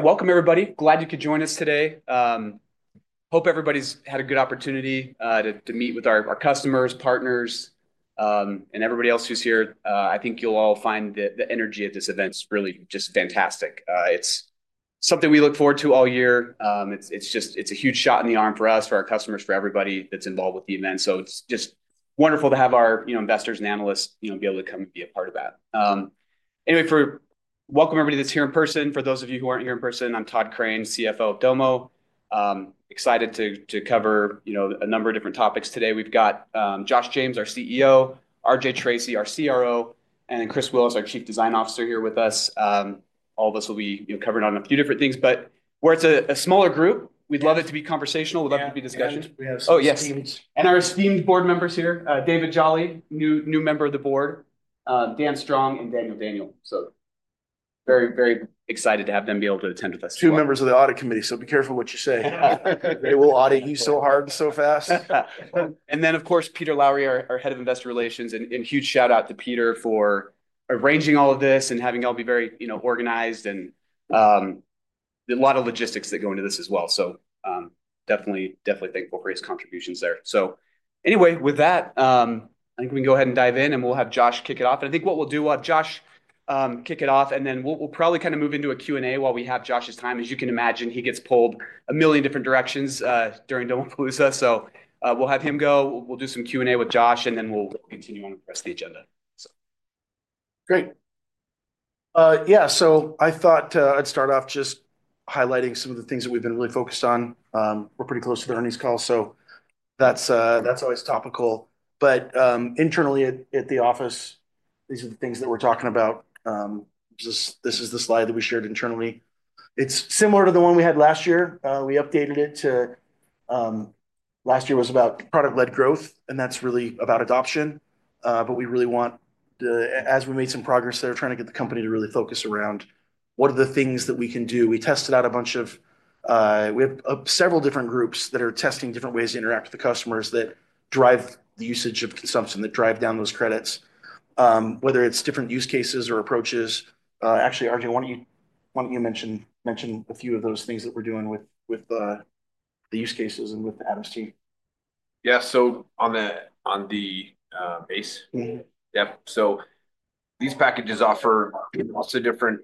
Welcome, everybody. Glad you could join us today. Hope everybody's had a good opportunity to meet with our customers, partners, and everybody else who's here. I think you'll all find the energy of this event's really just fantastic. It's something we look forward to all year. It's just a huge shot in the arm for us, for our customers, for everybody that's involved with the event. It's just wonderful to have our investors and analysts be able to come and be a part of that. Anyway, welcome everybody that's here in person. For those of you who aren't here in person, I'm Todd Crane, CFO of Domo. Excited to cover a number of different topics today. We've got Josh James, our CEO; RJ Tracy, our CRO; and then Chris Willis, our Chief Design Officer, here with us. All of us will be covering on a few different things. We're a smaller group. We'd love it to be conversational. We'd love it to be discussion. We have some teams. Oh, yes. Our esteemed board members here: David Jolley, new member of the board; Dan Strong; and Daniel. Very, very excited to have them be able to attend with us. Two members of the audit committee, so be careful what you say. They will audit you so hard and so fast. Of course, Peter Lowry, our Head of Investor Relations. Huge shout-out to Peter for arranging all of this and having it all be very organized. A lot of logistics go into this as well. Definitely thankful for his contributions there. With that, I think we can go ahead and dive in, and we'll have Josh kick it off. I think what we'll do, we'll have Josh kick it off, and then we'll probably kind of move into a Q&A while we have Josh's time. As you can imagine, he gets pulled a million different directions during Domopalooza. We'll have him go. We'll do some Q&A with Josh, and then we'll continue on the rest of the agenda. Great. Yeah. I thought I'd start off just highlighting some of the things that we've been really focused on. We're pretty close to the earnings call, so that's always topical. Internally at the office, these are the things that we're talking about. This is the slide that we shared internally. It's similar to the one we had last year. We updated it to last year was about product-led growth, and that's really about adoption. We really want, as we made some progress there, trying to get the company to really focus around what are the things that we can do. We tested out a bunch of—we have several different groups that are testing different ways to interact with the customers that drive the usage of consumption, that drive down those credits, whether it's different use cases or approaches. Actually, RJ, why don't you mention a few of those things that we're doing with the use cases and with Adam's team? Yeah. On the base, yeah. These packages offer lots of different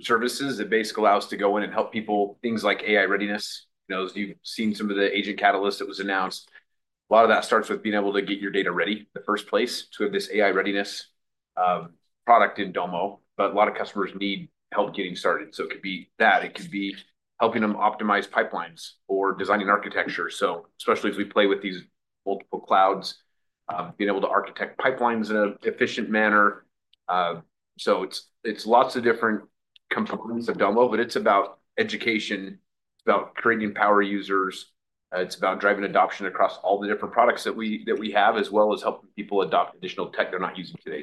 services. It basically allows us to go in and help people, things like AI readiness. As you've seen, some of the Agent Catalyst that was announced, a lot of that starts with being able to get your data ready in the first place to have this AI readiness product in Domo. A lot of customers need help getting started. It could be that. It could be helping them optimize pipelines or designing architecture. Especially as we play with these multiple clouds, being able to architect pipelines in an efficient manner. It's lots of different components of Domo, but it's about education, about creating power users. It's about driving adoption across all the different products that we have, as well as helping people adopt additional tech they're not using today.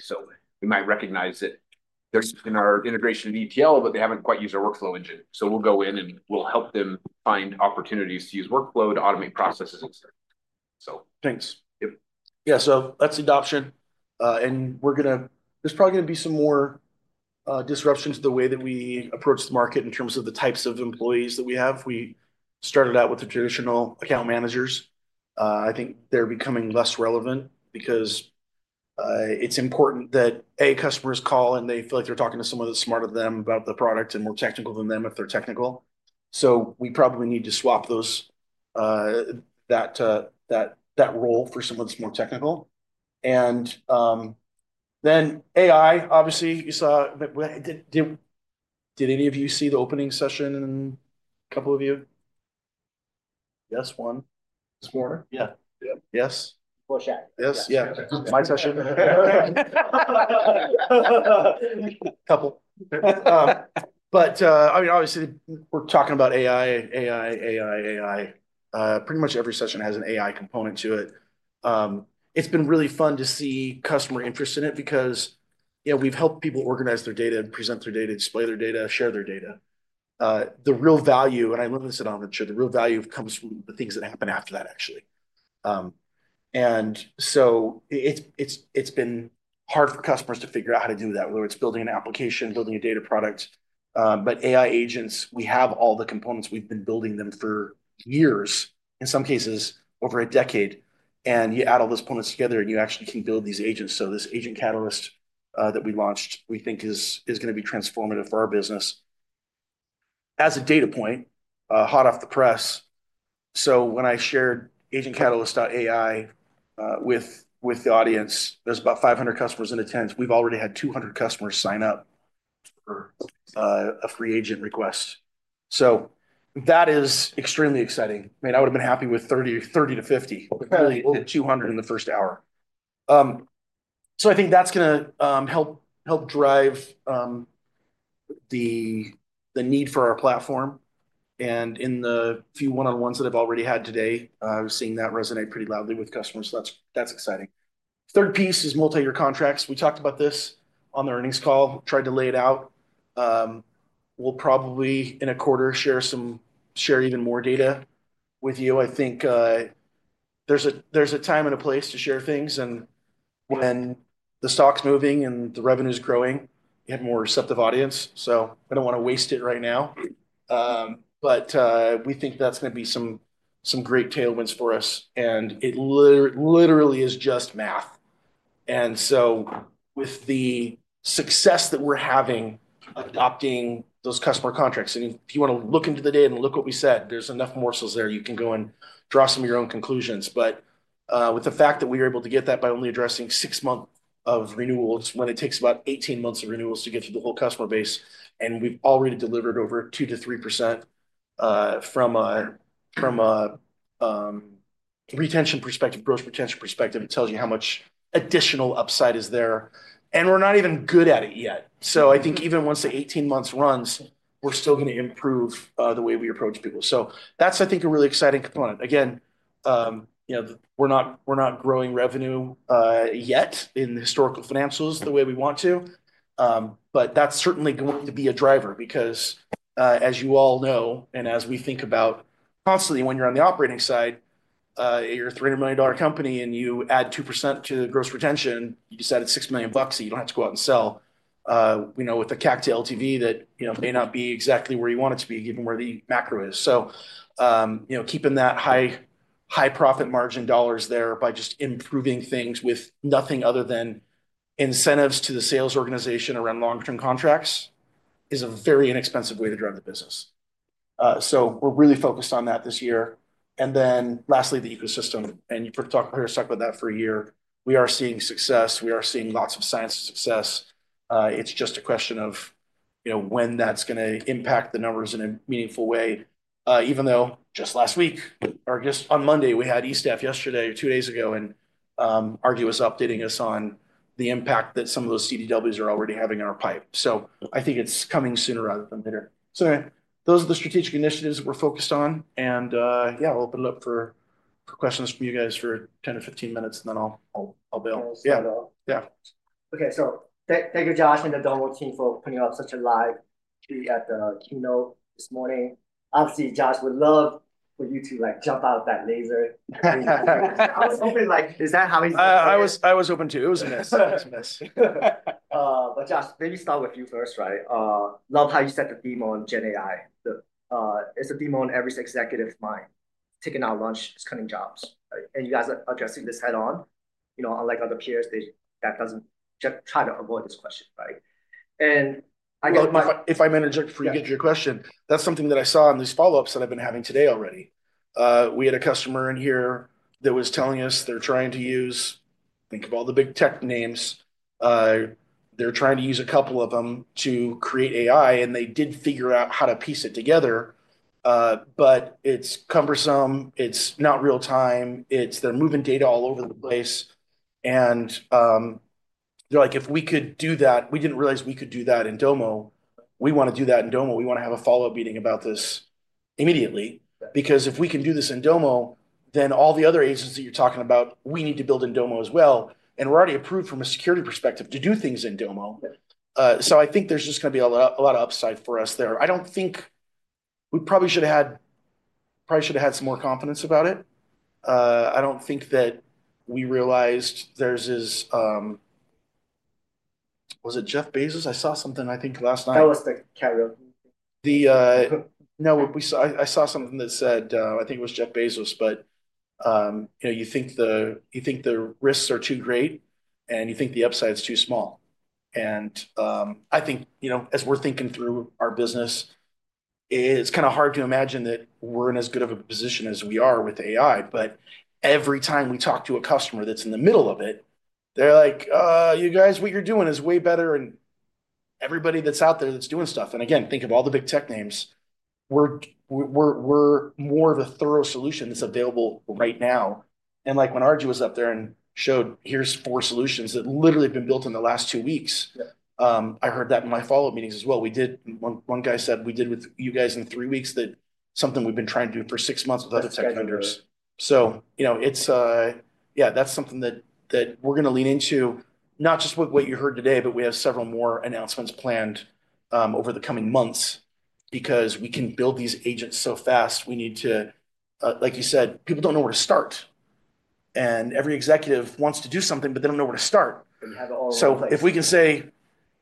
We might recognize that they're using our integration with ETL, but they haven't quite used our Workflow Engine. We'll go in and we'll help them find opportunities to use workflow to automate processes and stuff, so. Thanks. Yeah. That's adoption. There's probably going to be some more disruptions to the way that we approach the market in terms of the types of employees that we have. We started out with the traditional account managers. I think they're becoming less relevant because it's important that, A, customers call and they feel like they're talking to someone that's smarter than them about the product and more technical than them if they're technical. We probably need to swap that role for someone that's more technical. AI, obviously, you saw—did any of you see the opening session in a couple of you? Yes, one this morning? Yeah. Yes. Yes. Yes. Yeah. My session. Couple. I mean, obviously, we're talking about AI, AI, AI, AI. Pretty much every session has an AI component to it. It's been really fun to see customer interest in it because we've helped people organize their data, present their data, display their data, share their data. The real value—I literally said on the show—the real value comes from the things that happen after that, actually. It's been hard for customers to figure out how to do that, whether it's building an application, building a data product. AI agents, we have all the components. We've been building them for years, in some cases, over a decade. You add all those components together, and you actually can build these agents. This agent catalyst that we launched, we think, is going to be transformative for our business as a data point, hot off the press. When I shared agentcatalyst.ai with the audience, there were about 500 customers in attendance. We have already had 200 customers sign up for a free agent request. That is extremely exciting. I mean, I would have been happy with 30-50, but clearly 200 in the first hour. I think that is going to help drive the need for our platform. In the few one-on-ones that I have already had today, I was seeing that resonate pretty loudly with customers. That is exciting. Third piece is multi-year contracts. We talked about this on the earnings call, tried to lay it out. We will probably, in a quarter, share even more data with you. I think there is a time and a place to share things. When the stock's moving and the revenue's growing, you have a more receptive audience. I don't want to waste it right now. We think that's going to be some great tailwinds for us. It literally is just math. With the success that we're having adopting those customer contracts, and if you want to look into the data and look at what we said, there's enough morsels there. You can go and draw some of your own conclusions. With the fact that we were able to get that by only addressing six months of renewals, when it takes about 18 months of renewals to get to the whole customer base, and we've already delivered over 2-3% from a retention perspective, gross retention perspective, it tells you how much additional upside is there. We're not even good at it yet. I think even once the 18 months runs, we're still going to improve the way we approach people. That's, I think, a really exciting component. Again, we're not growing revenue yet in historical financials the way we want to. That's certainly going to be a driver because, as you all know, and as we think about constantly, when you're on the operating side, you're a $300 million company, and you add 2% to the gross retention, you decide it's $6 million, and you don't have to go out and sell with a cocktail TV that may not be exactly where you want it to be, given where the macro is. Keeping that high profit margin dollars there by just improving things with nothing other than incentives to the sales organization around long-term contracts is a very inexpensive way to drive the business. We're really focused on that this year. Lastly, the ecosystem. You've talked about that for a year. We are seeing success. We are seeing lots of signs of success. It's just a question of when that's going to impact the numbers in a meaningful way. Even though just last week, or just on Monday, we had ESTAF yesterday, two days ago, and RJ was updating us on the impact that some of those CDWs are already having in our pipe. I think it's coming sooner rather than later. Those are the strategic initiatives we're focused on. We'll open it up for questions from you guys for 10 to 15 minutes, and then I'll bail. Yeah. Okay. Thank you, Josh, and the Domo team for putting up such a live tree at the keynote this morning. Obviously, Josh, we'd love for you to jump out that laser. I was hoping like, "Is that how he's doing it? I was open too. It was a mess. Josh, maybe start with you first, right? Love how you set the theme on GenAI. It's a theme on every executive's mind: taking out lunch, cutting jobs. And you guys are addressing this head-on. Unlike other peers, that doesn't—try to avoid this question, right? I guess. If I may interject for you to get your question, that's something that I saw in these follow-ups that I've been having today already. We had a customer in here that was telling us they're trying to use—think of all the big tech names—they're trying to use a couple of them to create AI, and they did figure out how to piece it together. It is cumbersome. It is not real-time. They're moving data all over the place. They're like, "If we could do that, we didn't realize we could do that in Domo. We want to do that in Domo. We want to have a follow-up meeting about this immediately." If we can do this in Domo, then all the other agents that you're talking about, we need to build in Domo as well. We're already approved from a security perspective to do things in Domo. I think there's just going to be a lot of upside for us there. I don't think we probably should have had—probably should have had some more confidence about it. I don't think that we realized there's this—was it Jeff Bezos? I saw something, I think, last night. That was the carry-on. No, I saw something that said—I think it was Jeff Bezos—but you think the risks are too great, and you think the upside's too small. I think, as we're thinking through our business, it's kind of hard to imagine that we're in as good of a position as we are with AI. Every time we talk to a customer that's in the middle of it, they're like, "You guys, what you're doing is way better than everybody that's out there that's doing stuff." Again, think of all the big tech names. We're more of a thorough solution that's available right now. When RJ was up there and showed, "Here's four solutions that literally have been built in the last two weeks," I heard that in my follow-up meetings as well. One guy said, "We did with you guys in three weeks that something we've been trying to do for six months with other tech vendors." Yeah, that's something that we're going to lean into, not just with what you heard today, but we have several more announcements planned over the coming months because we can build these agents so fast. We need to—like you said, people don't know where to start. Every executive wants to do something, but they don't know where to start. If we can say,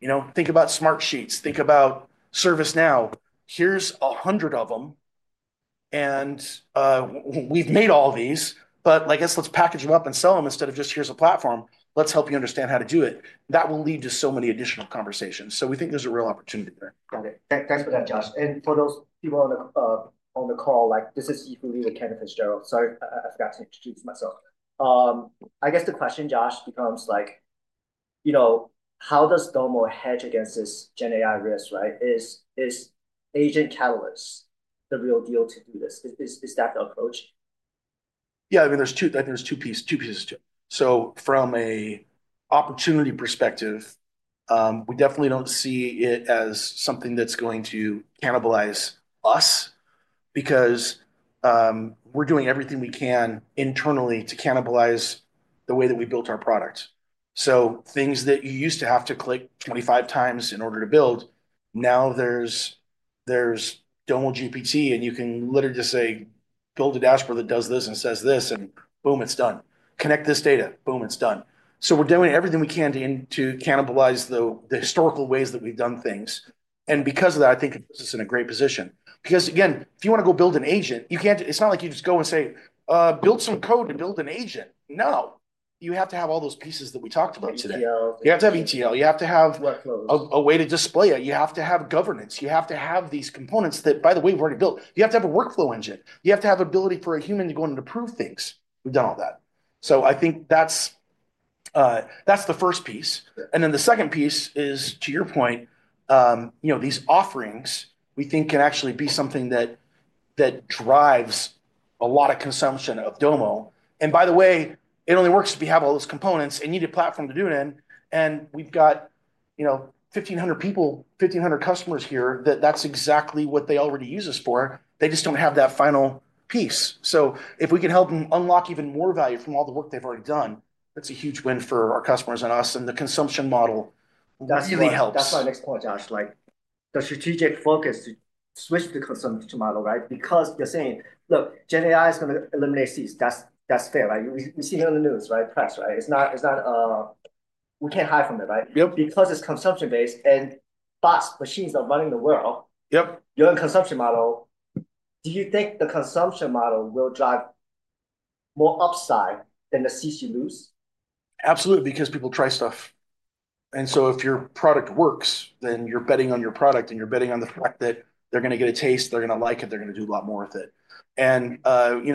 "Think about Smartsheet. Think about ServiceNow. Here's 100 of them. We've made all these. I guess let's package them up and sell them instead of just, 'Here's a platform. Let's help you understand how to do it.'" That will lead to so many additional conversations. We think there's a real opportunity there. Got it. Thanks for that, Josh. For those people on the call, this is Julie with Kenneth and Gerald. Sorry, I forgot to introduce myself. I guess the question, Josh, becomes, "How does Domo hedge against this GenAI risk?" Right? Is Agent Catalyst the real deal to do this? Is that the approach? Yeah. I mean, there's two pieces to it. From an opportunity perspective, we definitely don't see it as something that's going to cannibalize us because we're doing everything we can internally to cannibalize the way that we built our product. Things that you used to have to click 25 times in order to build, now there's Domo GPT, and you can literally just say, "Build a dashboard that does this and says this," and boom, it's done. "Connect this data." Boom, it's done. We're doing everything we can to cannibalize the historical ways that we've done things. Because of that, I think it puts us in a great position. Again, if you want to go build an agent, it's not like you just go and say, "Build some code and build an agent." No. You have to have all those pieces that we talked about today. You have to have ETL. You have to have a way to display it. You have to have governance. You have to have these components that, by the way, we've already built. You have to have a workflow engine. You have to have ability for a human to go in and approve things. We've done all that. I think that's the first piece. The second piece is, to your point, these offerings, we think, can actually be something that drives a lot of consumption of Domo. By the way, it only works if we have all those components. I need a platform to do it in. We've got 1,500 people, 1,500 customers here that that's exactly what they already use us for. They just don't have that final piece. If we can help them unlock even more value from all the work they've already done, that's a huge win for our customers and us. The consumption model really helps. That's my next point, Josh. The strategic focus to switch to the consumption model, right? Because you're saying, "Look, GenAI is going to eliminate seats." That's fair, right? We see it on the news, right? Press, right? It's not—we can't hide from it, right? Because it's consumption-based and bots, machines are running the world. Your consumption model, do you think the consumption model will drive more upside than the seats you lose? Absolutely, because people try stuff. If your product works, then you're betting on your product, and you're betting on the fact that they're going to get a taste. They're going to like it. They're going to do a lot more with it.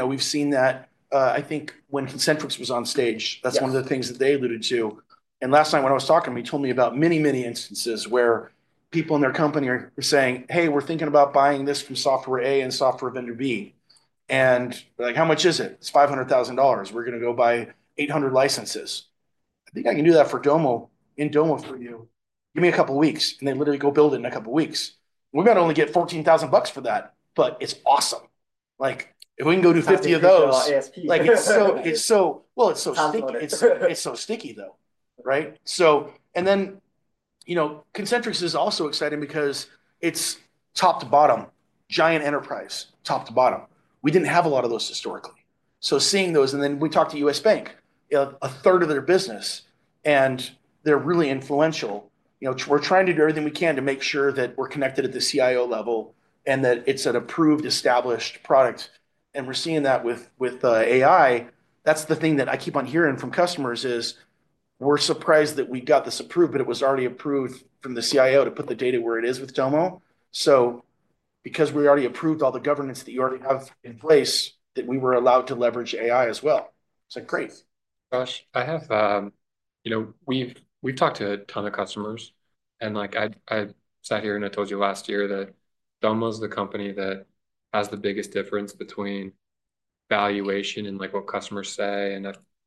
We've seen that, I think, when Concentrix was on stage. That's one of the things that they alluded to. Last night, when I was talking, he told me about many, many instances where people in their company are saying, "Hey, we're thinking about buying this from Software A and Software Vendor B. How much is it? It's $500,000. We're going to go buy 800 licenses." I think I can do that in Domo for you. Give me a couple of weeks. They literally go build it in a couple of weeks. We're going to only get $14,000 for that. It's awesome. If we can go do 50 of those, it's so—well, it's so sticky. It's so sticky, though, right? Concentrix is also exciting because it's top to bottom, giant enterprise, top to bottom. We didn't have a lot of those historically. Seeing those—and then we talked to US Bank, a third of their business. They're really influential. We're trying to do everything we can to make sure that we're connected at the CIO level and that it's an approved, established product. We're seeing that with AI. That's the thing that I keep on hearing from customers is, "We're surprised that we got this approved, but it was already approved from the CIO to put the data where it is with Domo." Because we already approved all the governance that you already have in place, that we were allowed to leverage AI as well. It's like, "Great. Josh, I have—we've talked to a ton of customers. I sat here and I told you last year that Domo is the company that has the biggest difference between valuation and what customers say.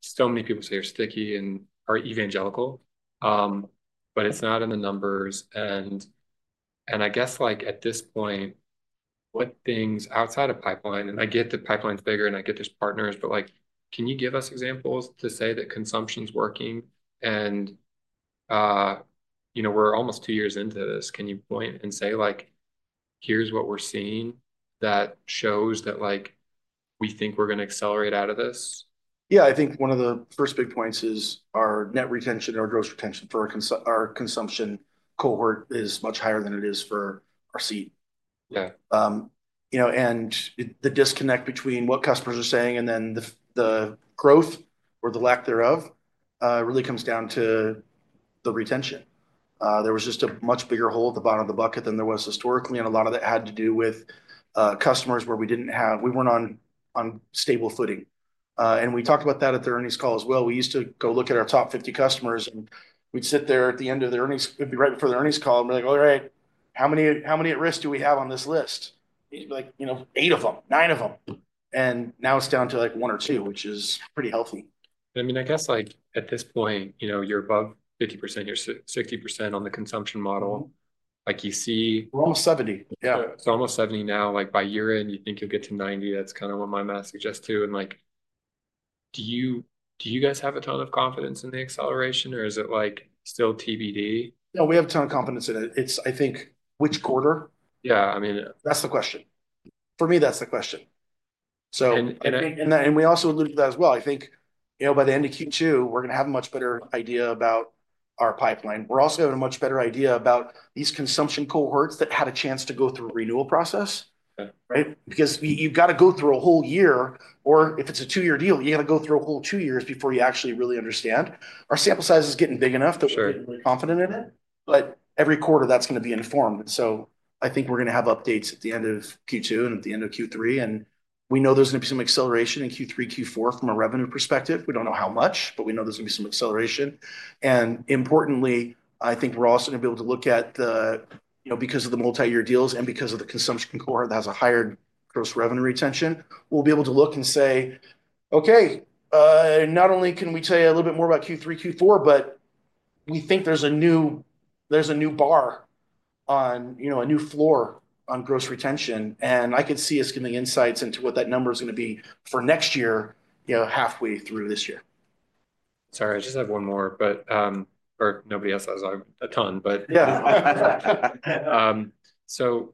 So many people say you're sticky and are evangelical. It is not in the numbers. I guess at this point, what things outside of pipeline—I get the pipeline's bigger and I get there's partners—can you give us examples to say that consumption's working? We're almost two years into this. Can you point and say, "Here's what we're seeing that shows that we think we're going to accelerate out of this"? Yeah. I think one of the first big points is our net retention or gross retention for our consumption cohort is much higher than it is for our seed. The disconnect between what customers are saying and then the growth or the lack thereof really comes down to the retention. There was just a much bigger hole at the bottom of the bucket than there was historically. A lot of that had to do with customers where we were not on stable footing. We talked about that at their earnings call as well. We used to go look at our top 50 customers, and we would sit there at the end of their earnings—it would be right before their earnings call. We are like, "All right. How many at risk do we have on this list?" He is like, "Eight of them. Nine of them." Now it is down to one or two, which is pretty healthy. I mean, I guess at this point, you're above 50%. You're 60% on the consumption model. You see. We're almost 70. Yeah. Almost 70 now. By year-end, you think you'll get to 90. That's kind of what my math suggests too. Do you guys have a ton of confidence in the acceleration, or is it still TBD? No, we have a ton of confidence in it. It's, I think, which quarter? Yeah. I mean. That's the question. For me, that's the question. We also alluded to that as well. I think by the end of Q2, we're going to have a much better idea about our pipeline. We're also going to have a much better idea about these consumption cohorts that had a chance to go through a renewal process, right? Because you've got to go through a whole year, or if it's a two-year deal, you got to go through a whole two years before you actually really understand. Our sample size is getting big enough that we're confident in it. Every quarter, that's going to be informed. I think we're going to have updates at the end of Q2 and at the end of Q3. We know there's going to be some acceleration in Q3, Q4 from a revenue perspective. We don't know how much, but we know there's going to be some acceleration. Importantly, I think we're also going to be able to look at the, because of the multi-year deals and because of the consumption cohort that has a higher gross revenue retention, we'll be able to look and say, "Okay. Not only can we tell you a little bit more about Q3, Q4, but we think there's a new bar on a new floor on gross retention." I could see us getting insights into what that number is going to be for next year, halfway through this year. Sorry, I just have one more, but nobody else has a ton. Yeah.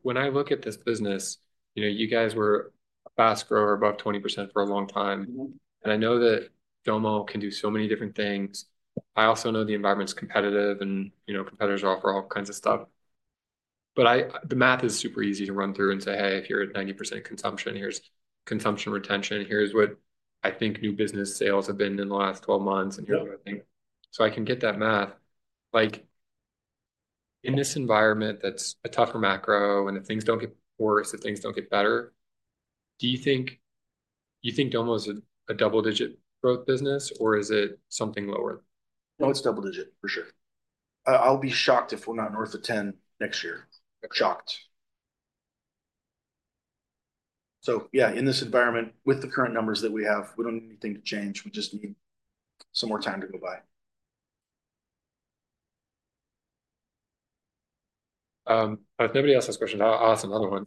When I look at this business, you guys were a fast grower above 20% for a long time. I know that Domo can do so many different things. I also know the environment's competitive, and competitors offer all kinds of stuff. The math is super easy to run through and say, "Hey, if you're at 90% consumption, here's consumption retention. Here's what I think new business sales have been in the last 12 months, and here's what I think." I can get that math. In this environment that's a tougher macro, and if things do not get worse, if things do not get better, do you think Domo is a double-digit growth business, or is it something lower? No, it's double-digit, for sure. I'll be shocked if we're not north of 10% next year. Shocked. In this environment, with the current numbers that we have, we don't need anything to change. We just need some more time to go by. If nobody else has questions, I'll ask another one.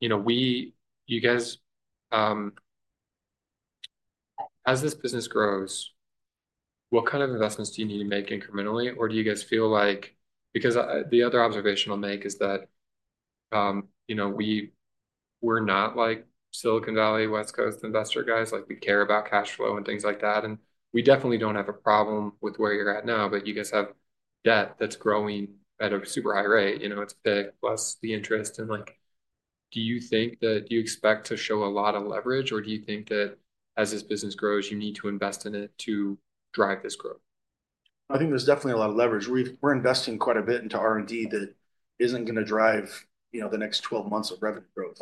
You guys, as this business grows, what kind of investments do you need to make incrementally? Or do you guys feel like—because the other observation I'll make is that we're not Silicon Valley, West Coast investor guys. We care about cash flow and things like that. We definitely don't have a problem with where you're at now, but you guys have debt that's growing at a super high rate. It's big, plus the interest. Do you think that—do you expect to show a lot of leverage, or do you think that as this business grows, you need to invest in it to drive this growth? I think there's definitely a lot of leverage. We're investing quite a bit into R&D that isn't going to drive the next 12 months of revenue growth.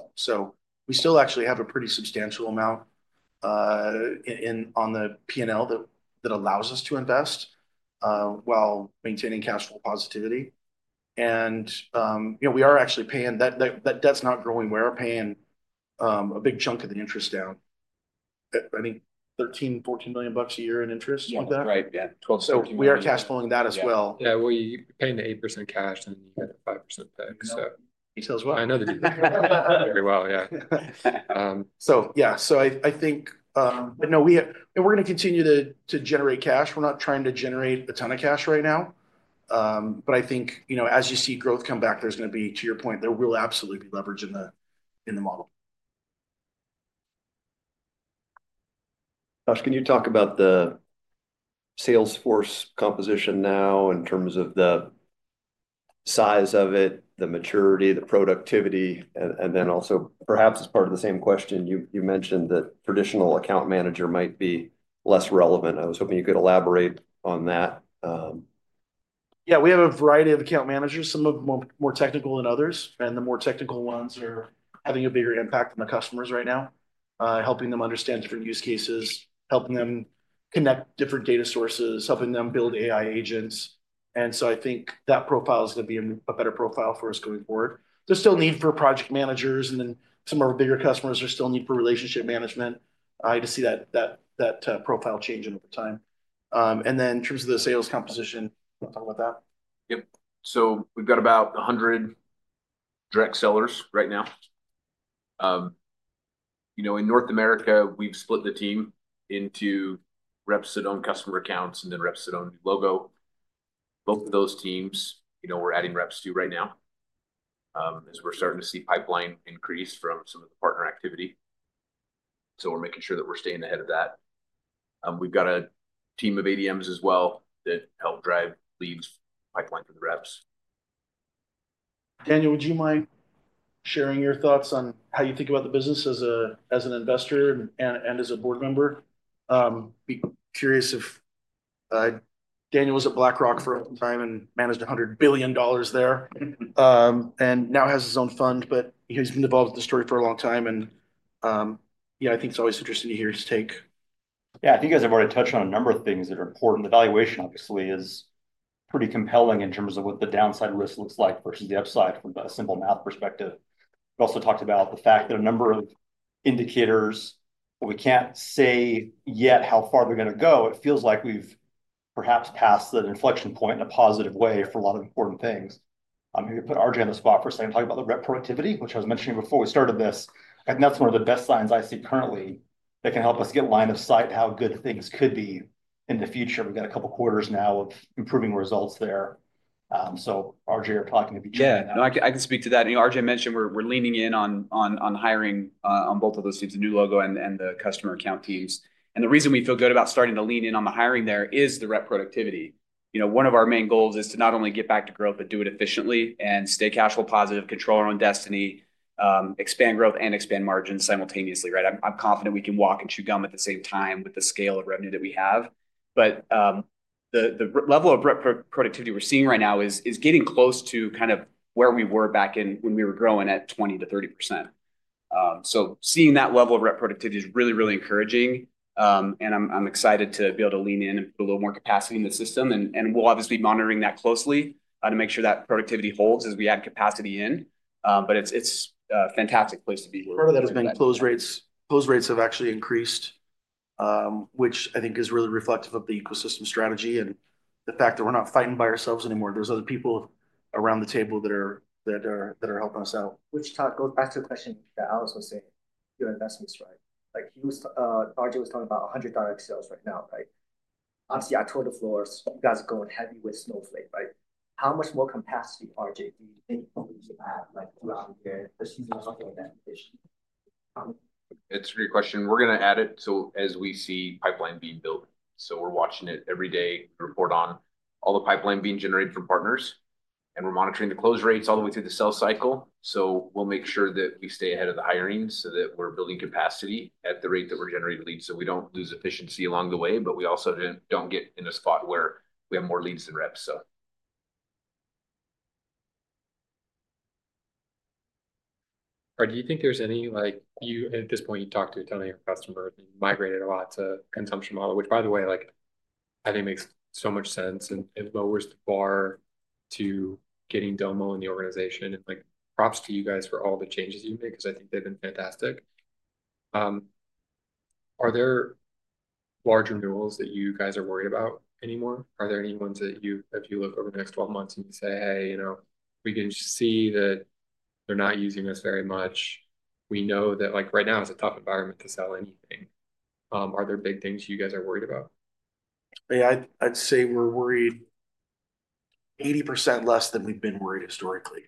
We still actually have a pretty substantial amount on the P&L that allows us to invest while maintaining cash flow positivity. We are actually paying—that debt's not growing. We are paying a big chunk of the interest down. I mean, $13 million, $14 million a year in interest like that? Yeah. Right. Yeah. $12 million, $14 million. We are cash flowing that as well. Yeah. We're paying the 8% cash, and you get a 5% peg, so. He sells well. I know that he does very well, yeah. Yeah, I think—we're going to continue to generate cash. We're not trying to generate a ton of cash right now. I think as you see growth come back, there's going to be, to your point, there will absolutely be leverage in the model. Josh, can you talk about the Salesforce composition now in terms of the size of it, the maturity, the productivity? Also, perhaps as part of the same question, you mentioned that traditional account manager might be less relevant. I was hoping you could elaborate on that. Yeah. We have a variety of account managers, some of them more technical than others. The more technical ones are having a bigger impact on the customers right now, helping them understand different use cases, helping them connect different data sources, helping them build AI agents. I think that profile is going to be a better profile for us going forward. There's still need for project managers. Some of our bigger customers are still need for relationship management. I just see that profile changing over time. In terms of the sales composition, we'll talk about that. Yep. We've got about 100 direct sellers right now. In North America, we've split the team into reps that own customer accounts and then reps that own the logo. Both of those teams, we're adding reps to right now as we're starting to see pipeline increase from some of the partner activity. We're making sure that we're staying ahead of that. We've got a team of ADMs as well that help drive leads pipeline for the reps. Daniel, would you mind sharing your thoughts on how you think about the business as an investor and as a board member? I am curious if Daniel was at BlackRock for a long time and managed $100 billion there and now has his own fund, but he has been involved with the story for a long time. I think it is always interesting to hear his take. Yeah. I think you guys have already touched on a number of things that are important. The valuation, obviously, is pretty compelling in terms of what the downside risk looks like versus the upside from a simple math perspective. We also talked about the fact that a number of indicators, but we can't say yet how far they're going to go. It feels like we've perhaps passed that inflection point in a positive way for a lot of important things. Maybe put RJ on the spot for a second. Talk about the rep productivity, which I was mentioning before we started this. I think that's one of the best signs I see currently that can help us get line of sight how good things could be in the future. We've got a couple of quarters now of improving results there. RJ, you're talking to be checking that. Yeah. No, I can speak to that. RJ mentioned we're leaning in on hiring on both of those teams, the new logo and the customer account teams. The reason we feel good about starting to lean in on the hiring there is the rep productivity. One of our main goals is to not only get back to growth, but do it efficiently and stay cash flow positive, control our own destiny, expand growth, and expand margins simultaneously, right? I'm confident we can walk and chew gum at the same time with the scale of revenue that we have. The level of rep productivity we're seeing right now is getting close to kind of where we were back when we were growing at 20-30%. Seeing that level of rep productivity is really, really encouraging. I'm excited to be able to lean in and put a little more capacity in the system. We'll obviously be monitoring that closely to make sure that productivity holds as we add capacity in. It is a fantastic place to be. Part of that has been closed rates. Closed rates have actually increased, which I think is really reflective of the ecosystem strategy and the fact that we're not fighting by ourselves anymore. There's other people around the table that are helping us out. Which goes back to the question that Alex was saying, your investments, right? RJ was talking about 100 direct sales right now, right? Obviously, October floors, you guys are going heavy with Snowflake, right? How much more capacity RJ needs to add throughout the year as he's also in that position? It's a great question. We're going to add it as we see pipeline being built. We're watching it every day to report on all the pipeline being generated from partners. We're monitoring the closed rates all the way through the sales cycle. We'll make sure that we stay ahead of the hiring so that we're building capacity at the rate that we're generating leads so we don't lose efficiency along the way, but we also don't get in a spot where we have more leads than reps. RJ, do you think there's any, at this point, you talked to a ton of your customers and migrated a lot to consumption model, which, by the way, I think makes so much sense and lowers the bar to getting Domo in the organization. Props to you guys for all the changes you've made because I think they've been fantastic. Are there large renewals that you guys are worried about anymore? Are there any ones that if you look over the next 12 months and you say, "Hey, we can see that they're not using us very much. We know that right now it's a tough environment to sell anything." Are there big things you guys are worried about? Yeah. I'd say we're worried 80% less than we've been worried historically,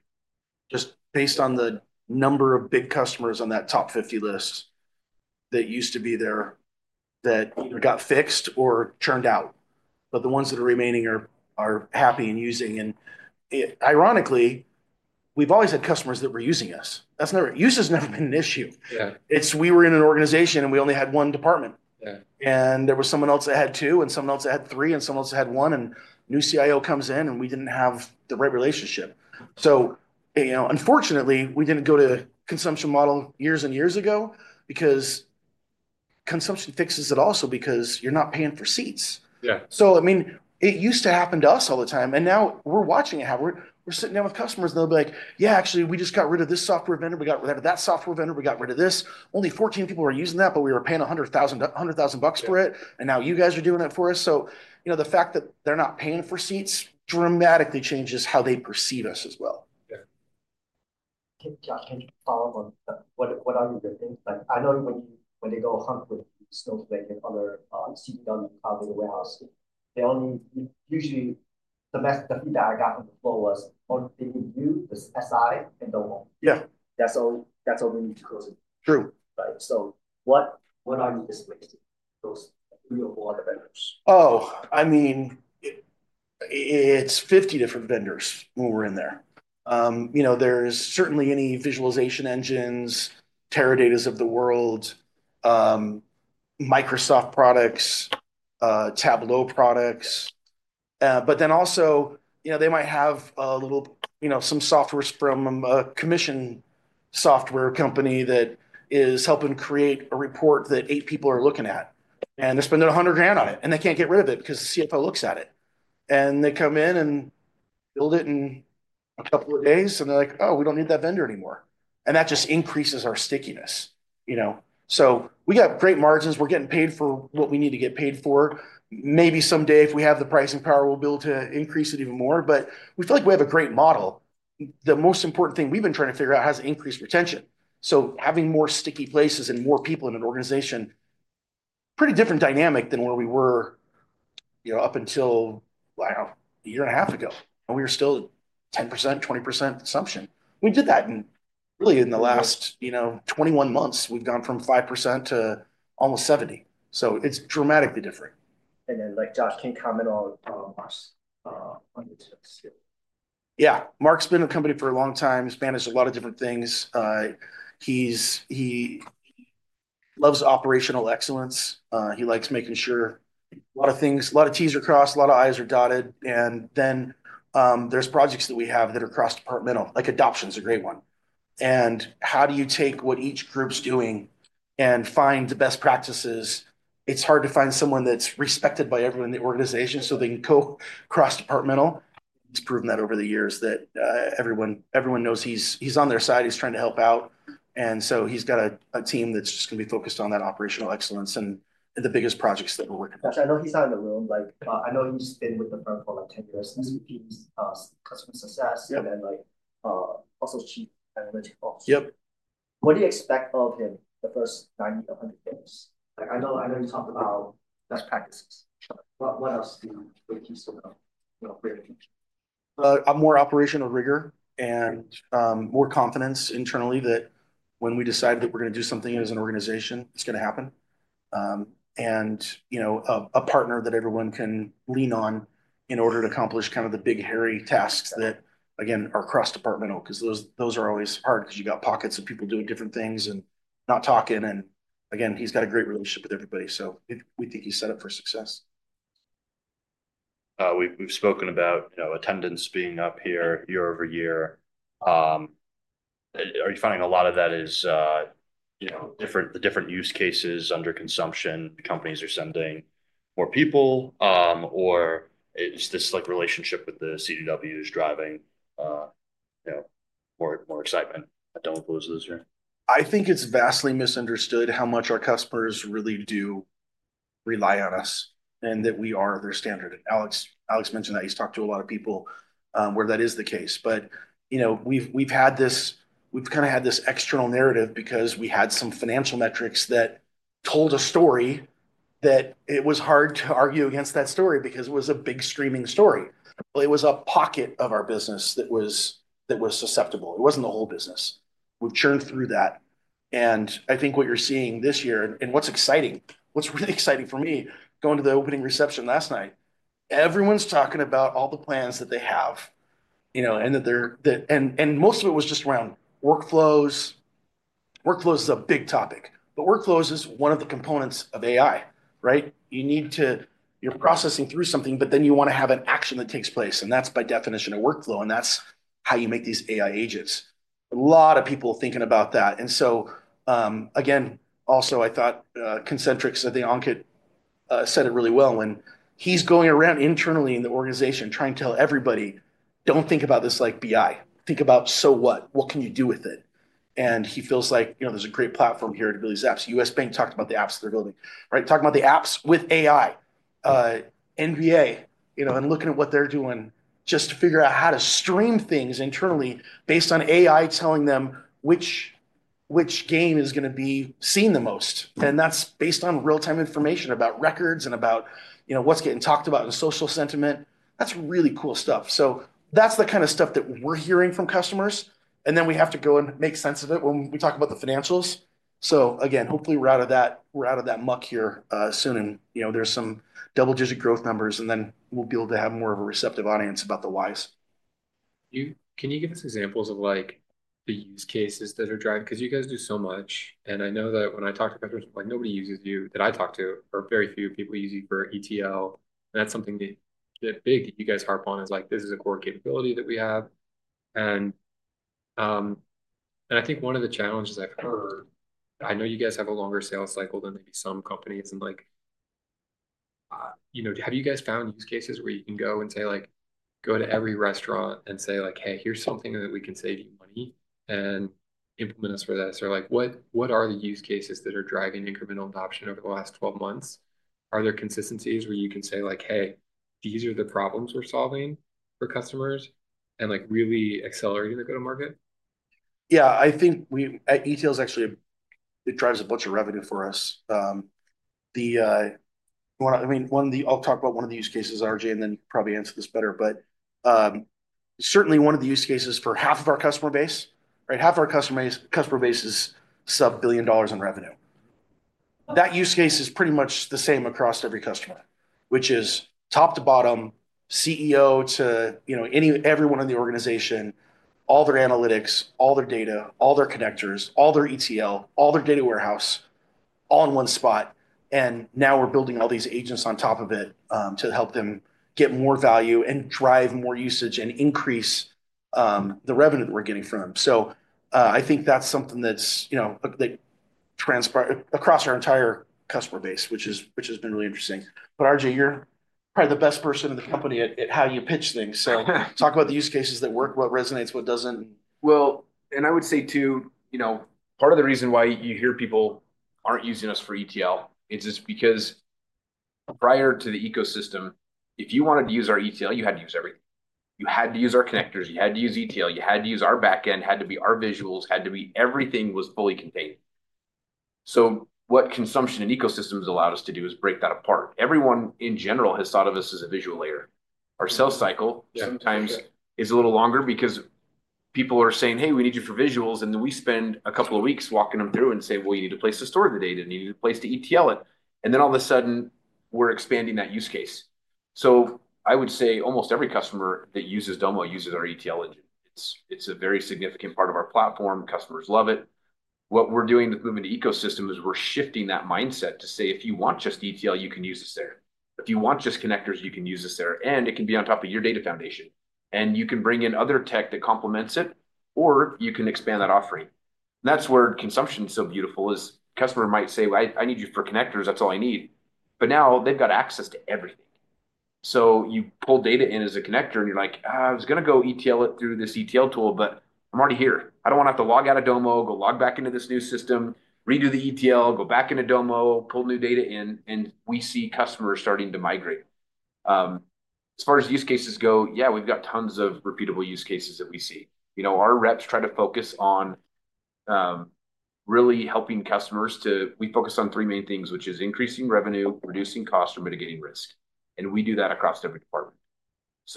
just based on the number of big customers on that top 50 list that used to be there that either got fixed or churned out. The ones that are remaining are happy and using. Ironically, we've always had customers that were using us. Use has never been an issue. We were in an organization, and we only had one department. There was someone else that had two, and someone else that had three, and someone else that had one. A new CIO comes in, and we didn't have the right relationship. Unfortunately, we didn't go to consumption model years and years ago because consumption fixes it also because you're not paying for seats. I mean, it used to happen to us all the time. Now we're watching it happen. We're sitting down with customers, and they'll be like, "Yeah, actually, we just got rid of this software vendor. We got rid of that software vendor. We got rid of this. Only 14 people are using that, but we were paying $100,000 for it. And now you guys are doing it for us." The fact that they're not paying for seats dramatically changes how they perceive us as well. Can you follow up on what RJ just said? I know when they go hunt with Snowflake and other CDW cloud data warehouse, they only usually the feedback I got from the floor was, "Oh, they can use this SI and Domo." That's all we need to close it. True. Right? What are you dismissing? Those three or four vendors? Oh, I mean, it's 50 different vendors when we're in there. There's certainly any visualization engines, Teradata's of the world, Microsoft products, Tableau products. They might have a little some software from a commission software company that is helping create a report that eight people are looking at. They spend $100,000 on it, and they can't get rid of it because the CFO looks at it. They come in and build it in a couple of days, and they're like, "Oh, we don't need that vendor anymore." That just increases our stickiness. We got great margins. We're getting paid for what we need to get paid for. Maybe someday, if we have the pricing power, we'll be able to increase it even more. We feel like we have a great model. The most important thing we've been trying to figure out has increased retention. Having more sticky places and more people in an organization, pretty different dynamic than where we were up until a year and a half ago. We were still 10%-20% consumption. We did that. In the last 21 months, we've gone from 5% to almost 70%. It is dramatically different. Josh, can you comment on Mark's on the tips? Yeah. Mark's been in the company for a long time. He's managed a lot of different things. He loves operational excellence. He likes making sure a lot of things, a lot of T's are crossed, a lot of I's are dotted. There are projects that we have that are cross-departmental. Adoption is a great one. How do you take what each group's doing and find the best practices? It's hard to find someone that's respected by everyone in the organization so they can go cross-departmental. He's proven that over the years that everyone knows he's on their side. He's trying to help out. He's got a team that's just going to be focused on that operational excellence and the biggest projects that we're working on. Josh, I know he's not in the room. I know he's been with the firm for like 10 years since he's been customer success and then also Chief Analytic Boss. What do you expect of him the first 90-100 days? I know you talked about best practices. What else do you think he's going to bring? More operational rigor and more confidence internally that when we decide that we're going to do something as an organization, it's going to happen. A partner that everyone can lean on in order to accomplish kind of the big hairy tasks that, again, are cross-departmental because those are always hard because you got pockets of people doing different things and not talking. Again, he's got a great relationship with everybody. We think he's set up for success. We've spoken about attendance being up here year over year. Are you finding a lot of that is the different use cases under consumption? Companies are sending more people, or is this relationship with the CDWs driving more excitement? I don't oppose those here. I think it's vastly misunderstood how much our customers really do rely on us and that we are their standard. Alex mentioned that. He's talked to a lot of people where that is the case. We've had this, we've kind of had this external narrative because we had some financial metrics that told a story that it was hard to argue against that story because it was a big streaming story. It was a pocket of our business that was susceptible. It wasn't the whole business. We've churned through that. I think what you're seeing this year and what's exciting, what's really exciting for me, going to the opening reception last night, everyone's talking about all the plans that they have and that they're, and most of it was just around workflows. Workflows is a big topic. Workflows is one of the components of AI, right? You need to, you're processing through something, but then you want to have an action that takes place. That is by definition a workflow. That is how you make these AI agents. A lot of people thinking about that. Also, I thought Concentrix at the ONKIT said it really well when he's going around internally in the organization trying to tell everybody, "Don't think about this like BI. Think about so what? What can you do with it?" He feels like there's a great platform here to build these apps. U.S. Bank talked about the apps they're building, right? Talking about the apps with AI, NBA, and looking at what they're doing just to figure out how to stream things internally based on AI telling them which game is going to be seen the most. That is based on real-time information about records and about what is getting talked about in social sentiment. That is really cool stuff. That is the kind of stuff that we are hearing from customers. We have to go and make sense of it when we talk about the financials. Hopefully, we are out of that muck here soon. There are some double-digit growth numbers, and then we will be able to have more of a receptive audience about the whys. Can you give us examples of the use cases that are driving? Because you guys do so much. I know that when I talked to customers, nobody uses you that I talked to, or very few people use you for ETL. That is something that big that you guys harp on is like, "This is a core capability that we have." I think one of the challenges I've heard, I know you guys have a longer sales cycle than maybe some companies. Have you guys found use cases where you can go and say, "Go to every restaurant and say, 'Hey, here's something that we can save you money and implement us for this'?" What are the use cases that are driving incremental adoption over the last 12 months? Are there consistencies where you can say, "Hey, these are the problems we're solving for customers and really accelerating the go-to-market? Yeah. I think ETL is actually, it drives a bunch of revenue for us. I mean, I'll talk about one of the use cases, RJ, and then you'll probably answer this better. Certainly, one of the use cases for half of our customer base, right? Half of our customer base is sub-billion dollars in revenue. That use case is pretty much the same across every customer, which is top to bottom, CEO to everyone in the organization, all their analytics, all their data, all their connectors, all their ETL, all their data warehouse, all in one spot. Now we're building all these agents on top of it to help them get more value and drive more usage and increase the revenue that we're getting from them. I think that's something that's across our entire customer base, which has been really interesting. RJ, you're probably the best person in the company at how you pitch things. So talk about the use cases that work, what resonates, what doesn't. I would say too, part of the reason why you hear people aren't using us for ETL is just because prior to the ecosystem, if you wanted to use our ETL, you had to use everything. You had to use our connectors. You had to use ETL. You had to use our backend. It had to be our visuals. It had to be everything was fully contained. What consumption and ecosystems allowed us to do is break that apart. Everyone in general has thought of us as a visual layer. Our sales cycle sometimes is a little longer because people are saying, "Hey, we need you for visuals." We spend a couple of weeks walking them through and saying, "Well, you need to place the store of the data. You need a place to ETL it. All of a sudden, we're expanding that use case. I would say almost every customer that uses Domo uses our ETL engine. It's a very significant part of our platform. Customers love it. What we're doing with moving to ecosystem is we're shifting that mindset to say, "If you want just ETL, you can use this there. If you want just connectors, you can use this there. It can be on top of your data foundation. You can bring in other tech that complements it, or you can expand that offering." That's where consumption is so beautiful. A customer might say, "I need you for connectors. That's all I need." Now they've got access to everything. You pull data in as a connector, and you're like, "I was going to go ETL it through this ETL tool, but I'm already here. I don't want to have to log out of Domo, go log back into this new system, redo the ETL, go back into Domo, pull new data in." We see customers starting to migrate. As far as use cases go, yeah, we've got tons of repeatable use cases that we see. Our reps try to focus on really helping customers to we focus on three main things, which is increasing revenue, reducing cost, or mitigating risk. We do that across every department.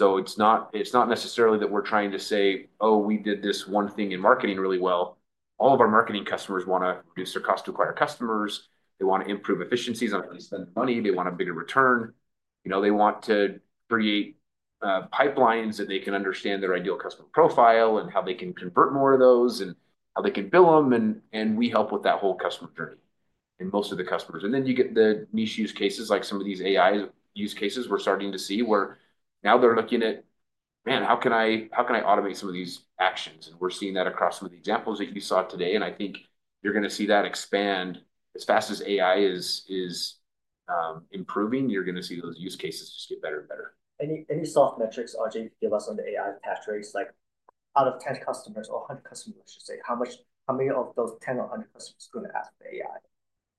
It's not necessarily that we're trying to say, "Oh, we did this one thing in marketing really well." All of our marketing customers want to reduce their cost to acquire customers. They want to improve efficiencies on how they spend money. They want a bigger return. They want to create pipelines that they can understand their ideal customer profile and how they can convert more of those and how they can bill them. We help with that whole customer journey in most of the customers. You get the niche use cases like some of these AI use cases we're starting to see where now they're looking at, "Man, how can I automate some of these actions?" We're seeing that across some of the examples that you saw today. I think you're going to see that expand. As fast as AI is improving, you're going to see those use cases just get better and better. Any soft metrics, RJ, you could give us on the AI path trace? Out of 10 customers or 100 customers, let's just say, how many of those 10 or 100 customers are going to ask for AI?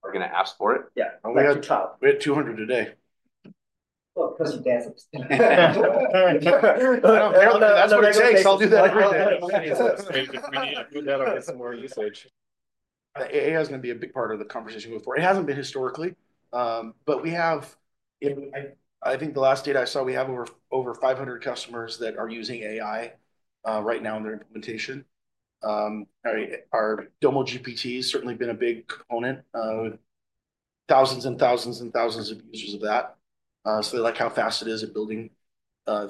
Are you going to ask for it? Yeah. We have 200 today. Oh, because you dance. That's what it takes. I'll do that every day. If we need to do that, I'll get some more usage. AI is going to be a big part of the conversation going forward. It has not been historically. I think the last data I saw, we have over 500 customers that are using AI right now in their implementation. Our Domo GPT has certainly been a big component. Thousands and thousands and thousands of users of that. They like how fast it is at building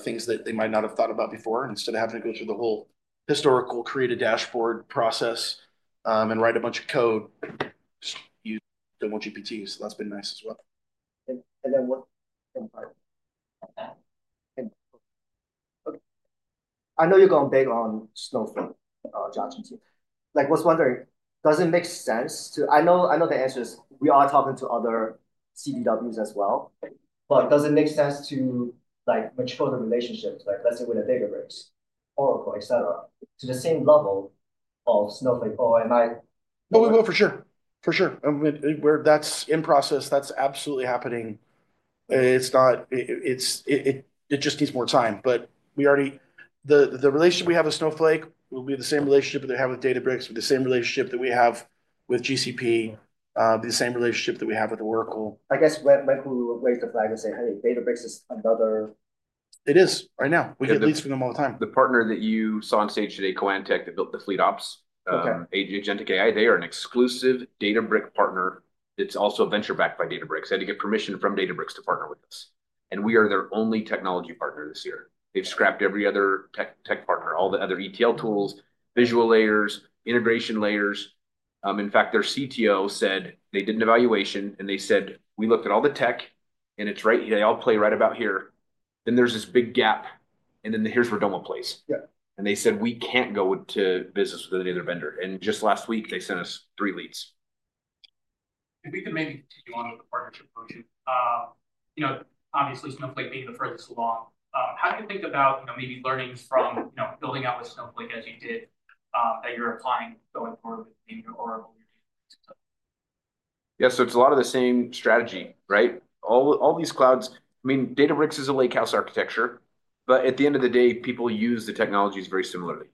things that they might not have thought about before. Instead of having to go through the whole historical create a dashboard process and write a bunch of code, just use Domo GPT. That has been nice as well. What I know you're going big on Snowflake, Josh and Tim. I was wondering, does it make sense to—I know the answer is we are talking to other CDWs as well. Does it make sense to mature the relationships, let's say, with a Databricks, Oracle, etc., to the same level of Snowflake? Or am I? Oh, we will for sure. For sure. That's in process. That's absolutely happening. It just needs more time. The relationship we have with Snowflake will be the same relationship that we have with Databricks, the same relationship that we have with GCP, the same relationship that we have with Oracle. I guess when will you wave the flag and say, "Hey, Databricks is another? It is right now. We get leads from them all the time. The partner that you saw on stage today, Quantiphi, that built the fleet ops, agentic AI, they are an exclusive Databricks partner that's also venture-backed by Databricks. They had to get permission from Databricks to partner with us. We are their only technology partner this year. They've scrapped every other tech partner, all the other ETL tools, visual layers, integration layers. In fact, their CTO said they did an evaluation, and they said, "We looked at all the tech, and they all play right about here." There is this big gap. Here is where Domo plays. They said, "We can't go into business with any other vendor." Just last week, they sent us three leads. If we could maybe continue on with the partnership version. Obviously, Snowflake being the furthest along, how do you think about maybe learnings from building out with Snowflake as you did that you're applying going forward with being an Oracle? Yeah. So it's a lot of the same strategy, right? All these clouds, I mean, Databricks is a Lakehouse architecture. At the end of the day, people use the technologies very similarly.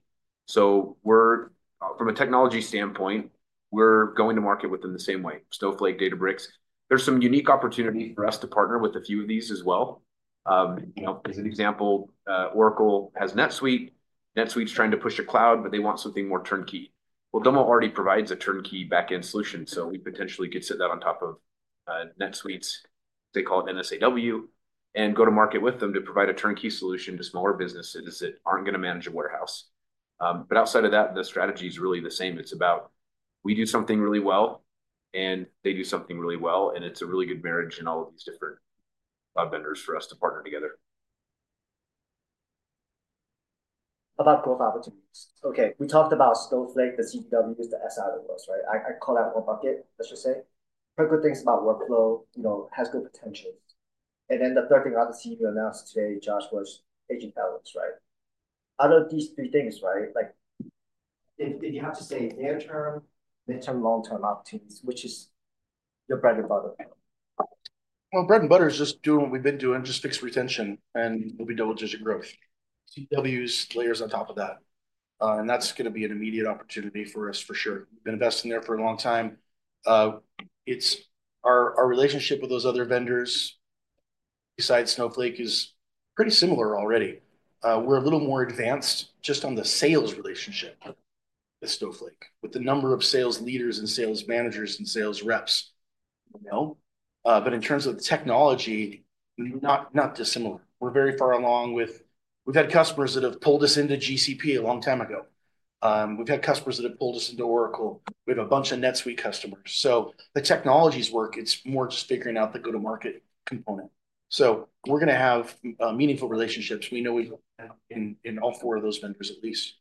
From a technology standpoint, we're going to market with them the same way: Snowflake, Databricks. There's some unique opportunity for us to partner with a few of these as well. As an example, Oracle has NetSuite. NetSuite's trying to push a cloud, but they want something more turnkey. Domo already provides a turnkey backend solution. We potentially could sit that on top of NetSuite, they call it NSAW, and go to market with them to provide a turnkey solution to smaller businesses that aren't going to manage a warehouse. Outside of that, the strategy is really the same. It's about we do something really well, and they do something really well. It is a really good marriage in all of these different cloud vendors for us to partner together. About growth opportunities. Okay. We talked about Snowflake, the CDWs, the SIOs, right? I call that one bucket, let's just say. Heard good things about workflow, has good potential. And then the third thing I'd like to see you announce today, Josh, was agent balance, right? Out of these three things, right? If you have to say near-term, mid-term, long-term opportunities, which is your bread and butter. Bread and butter is just doing what we've been doing, just fixed retention, and we'll be double-digit growth. CDWs, layers on top of that. That is going to be an immediate opportunity for us for sure. We've been investing there for a long time. Our relationship with those other vendors besides Snowflake is pretty similar already. We're a little more advanced just on the sales relationship with Snowflake, with the number of sales leaders and sales managers and sales reps. In terms of the technology, not dissimilar. We're very far along with we've had customers that have pulled us into GCP a long time ago. We've had customers that have pulled us into Oracle. We have a bunch of NetSuite customers. The technologies work. It's more just figuring out the go-to-market component. We're going to have meaningful relationships. We know we have in all four of those vendors at least.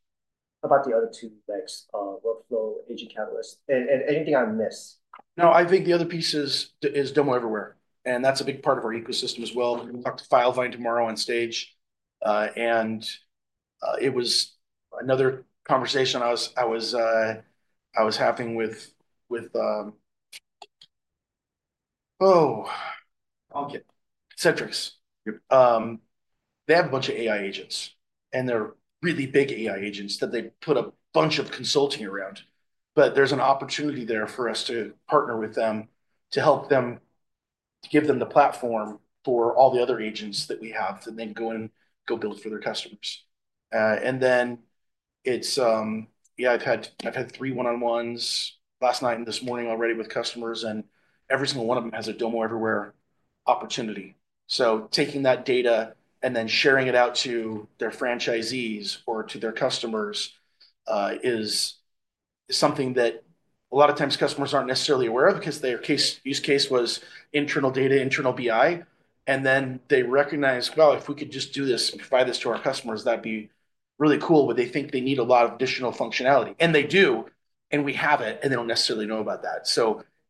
About the other two legs, Workflow, Agent Catalyst, and anything I missed? No, I think the other piece is Domo Everywhere. That's a big part of our ecosystem as well. We'll talk to FileVine tomorrow on stage. It was another conversation I was having with Cedrix. They have a bunch of AI agents, and they're really big AI agents that they put a bunch of consulting around. There's an opportunity there for us to partner with them to help them, to give them the platform for all the other agents that we have that then go and go build for their customers. I've had three one-on-ones last night and this morning already with customers. Every single one of them has a Domo Everywhere opportunity. Taking that data and then sharing it out to their franchisees or to their customers is something that a lot of times customers are not necessarily aware of because their use case was internal data, internal BI. Then they recognize, "Well, if we could just do this and provide this to our customers, that would be really cool." They think they need a lot of additional functionality. They do, and we have it, and they do not necessarily know about that.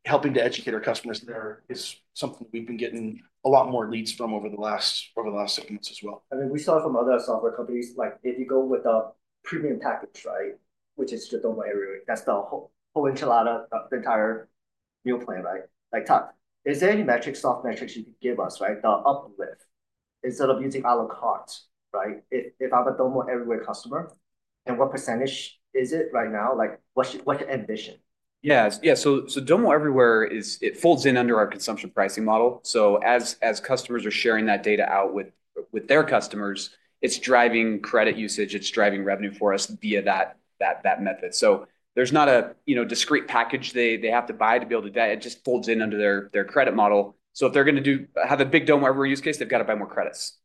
Helping to educate our customers there is something we have been getting a lot more leads from over the last several months as well. I mean, we saw it from other software companies. If you go with a premium package, right, which is your Domo Everywhere, that's the whole enchilada, the entire meal plan, right? Is there any metrics, soft metrics you can give us, right, the uplift instead of using a la carte, right? If I'm a Domo Everywhere customer, and what percentage is it right now? What's the ambition? Yeah. Yeah. Domo Everywhere, it folds in under our consumption pricing model. As customers are sharing that data out with their customers, it's driving credit usage. It's driving revenue for us via that method. There's not a discrete package they have to buy to be able to—it just folds in under their credit model. If they're going to have a big Domo Everywhere use case, they've got to buy more credits.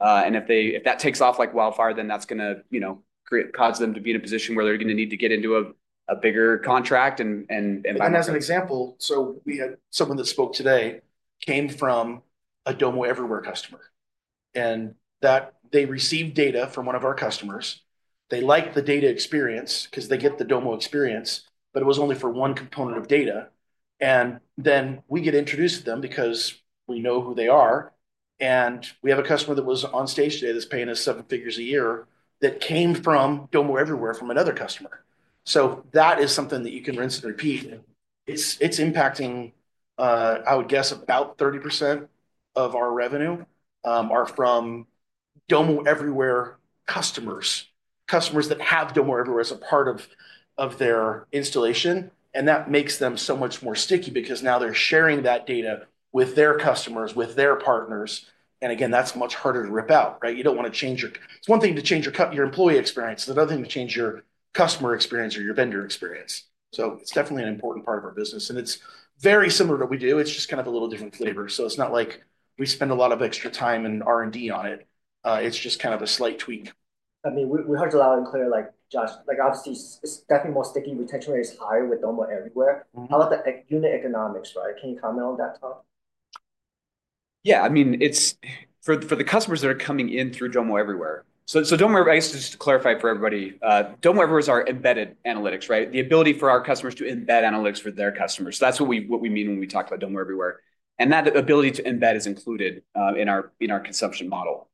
If that takes off like wildfire, that's going to cause them to be in a position where they're going to need to get into a bigger contract and buy more. As an example, someone that spoke today came from a Domo Everywhere customer. They received data from one of our customers. They liked the data experience because they get the Domo experience, but it was only for one component of data. We get introduced to them because we know who they are. We have a customer that was on stage today that's paying us seven figures a year that came from Domo Everywhere from another customer. That is something that you can rinse and repeat. It's impacting, I would guess, about 30% of our revenue are from Domo Everywhere customers, customers that have Domo Everywhere as a part of their installation. That makes them so much more sticky because now they're sharing that data with their customers, with their partners. Again, that's much harder to rip out, right? You do not want to change your—it is one thing to change your employee experience. It is another thing to change your customer experience or your vendor experience. It is definitely an important part of our business. It is very similar to what we do. It is just kind of a little different flavor. It is not like we spend a lot of extra time and R&D on it. It is just kind of a slight tweak. I mean, we heard it loud and clear, Josh. Obviously, it's definitely more sticky. Retention rate is higher with Domo Everywhere. How about the unit economics, right? Can you comment on that topic? Yeah. I mean, for the customers that are coming in through Domo Everywhere—so Domo Everywhere, I guess just to clarify for everybody, Domo Everywhere is our embedded analytics, right? The ability for our customers to embed analytics for their customers. That is what we mean when we talk about Domo Everywhere. That ability to embed is included in our consumption model.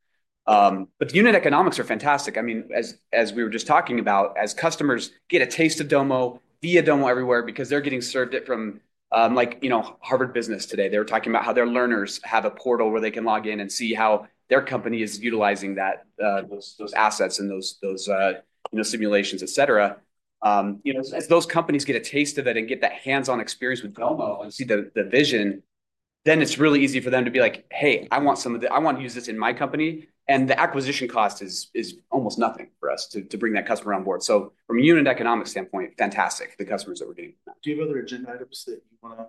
The unit economics are fantastic. I mean, as we were just talking about, as customers get a taste of Domo via Domo Everywhere because they are getting served it from Harvard Business today. They were talking about how their learners have a portal where they can log in and see how their company is utilizing those assets and those simulations, etc. As those companies get a taste of it and get that hands-on experience with Domo and see the vision, it is really easy for them to be like, "Hey, I want some of the—I want to use this in my company." The acquisition cost is almost nothing for us to bring that customer on board. From a unit economics standpoint, fantastic, the customers that we are getting from that. Do you have other agenda items that you want to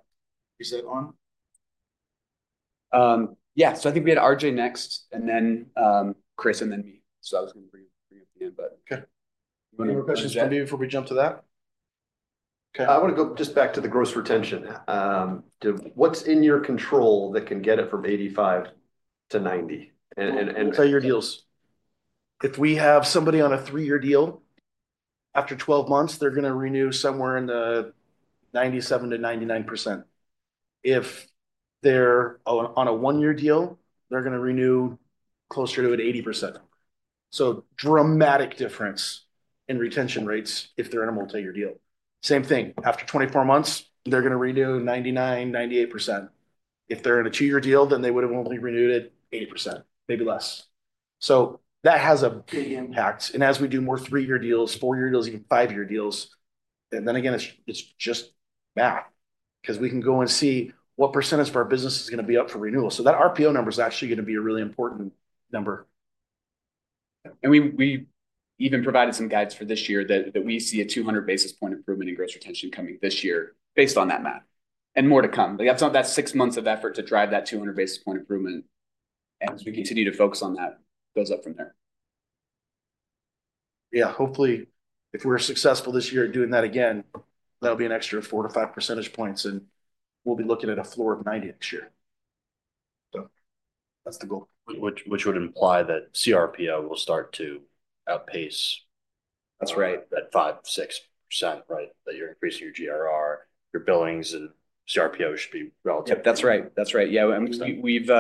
present on? Yeah. I think we had RJ next, and then Chris, and then me. I was going to bring up the end, but. Okay. Any more questions, Jim, before we jump to that? I want to go just back to the gross retention. What's in your control that can get it from 85% to 90%? Tell your deals. If we have somebody on a three-year deal, after 12 months, they're going to renew somewhere in the 97-99% range. If they're on a one-year deal, they're going to renew closer to an 80% number. There is a dramatic difference in retention rates if they're in a multi-year deal. Same thing, after 24 months, they're going to renew 99-98%. If they're in a two-year deal, then they would have only renewed at 80%, maybe less. That has a big impact. As we do more three-year deals, four-year deals, even five-year deals, it is just math because we can go and see what percentage of our business is going to be up for renewal. That RPO number is actually going to be a really important number. We even provided some guides for this year that we see a 200 basis point improvement in gross retention coming this year based on that math and more to come. That is six months of effort to drive that 200 basis point improvement. As we continue to focus on that, it goes up from there. Yeah. Hopefully, if we are successful this year at doing that again, that will be an extra 4-5 percentage points. We will be looking at a floor of 90 next year. That is the goal. Which would imply that CRPO will start to outpace that 5-6%, right, that you're increasing your GRR, your billings, and CRPO should be relative. Yep. That's right. That's right. Yeah. We've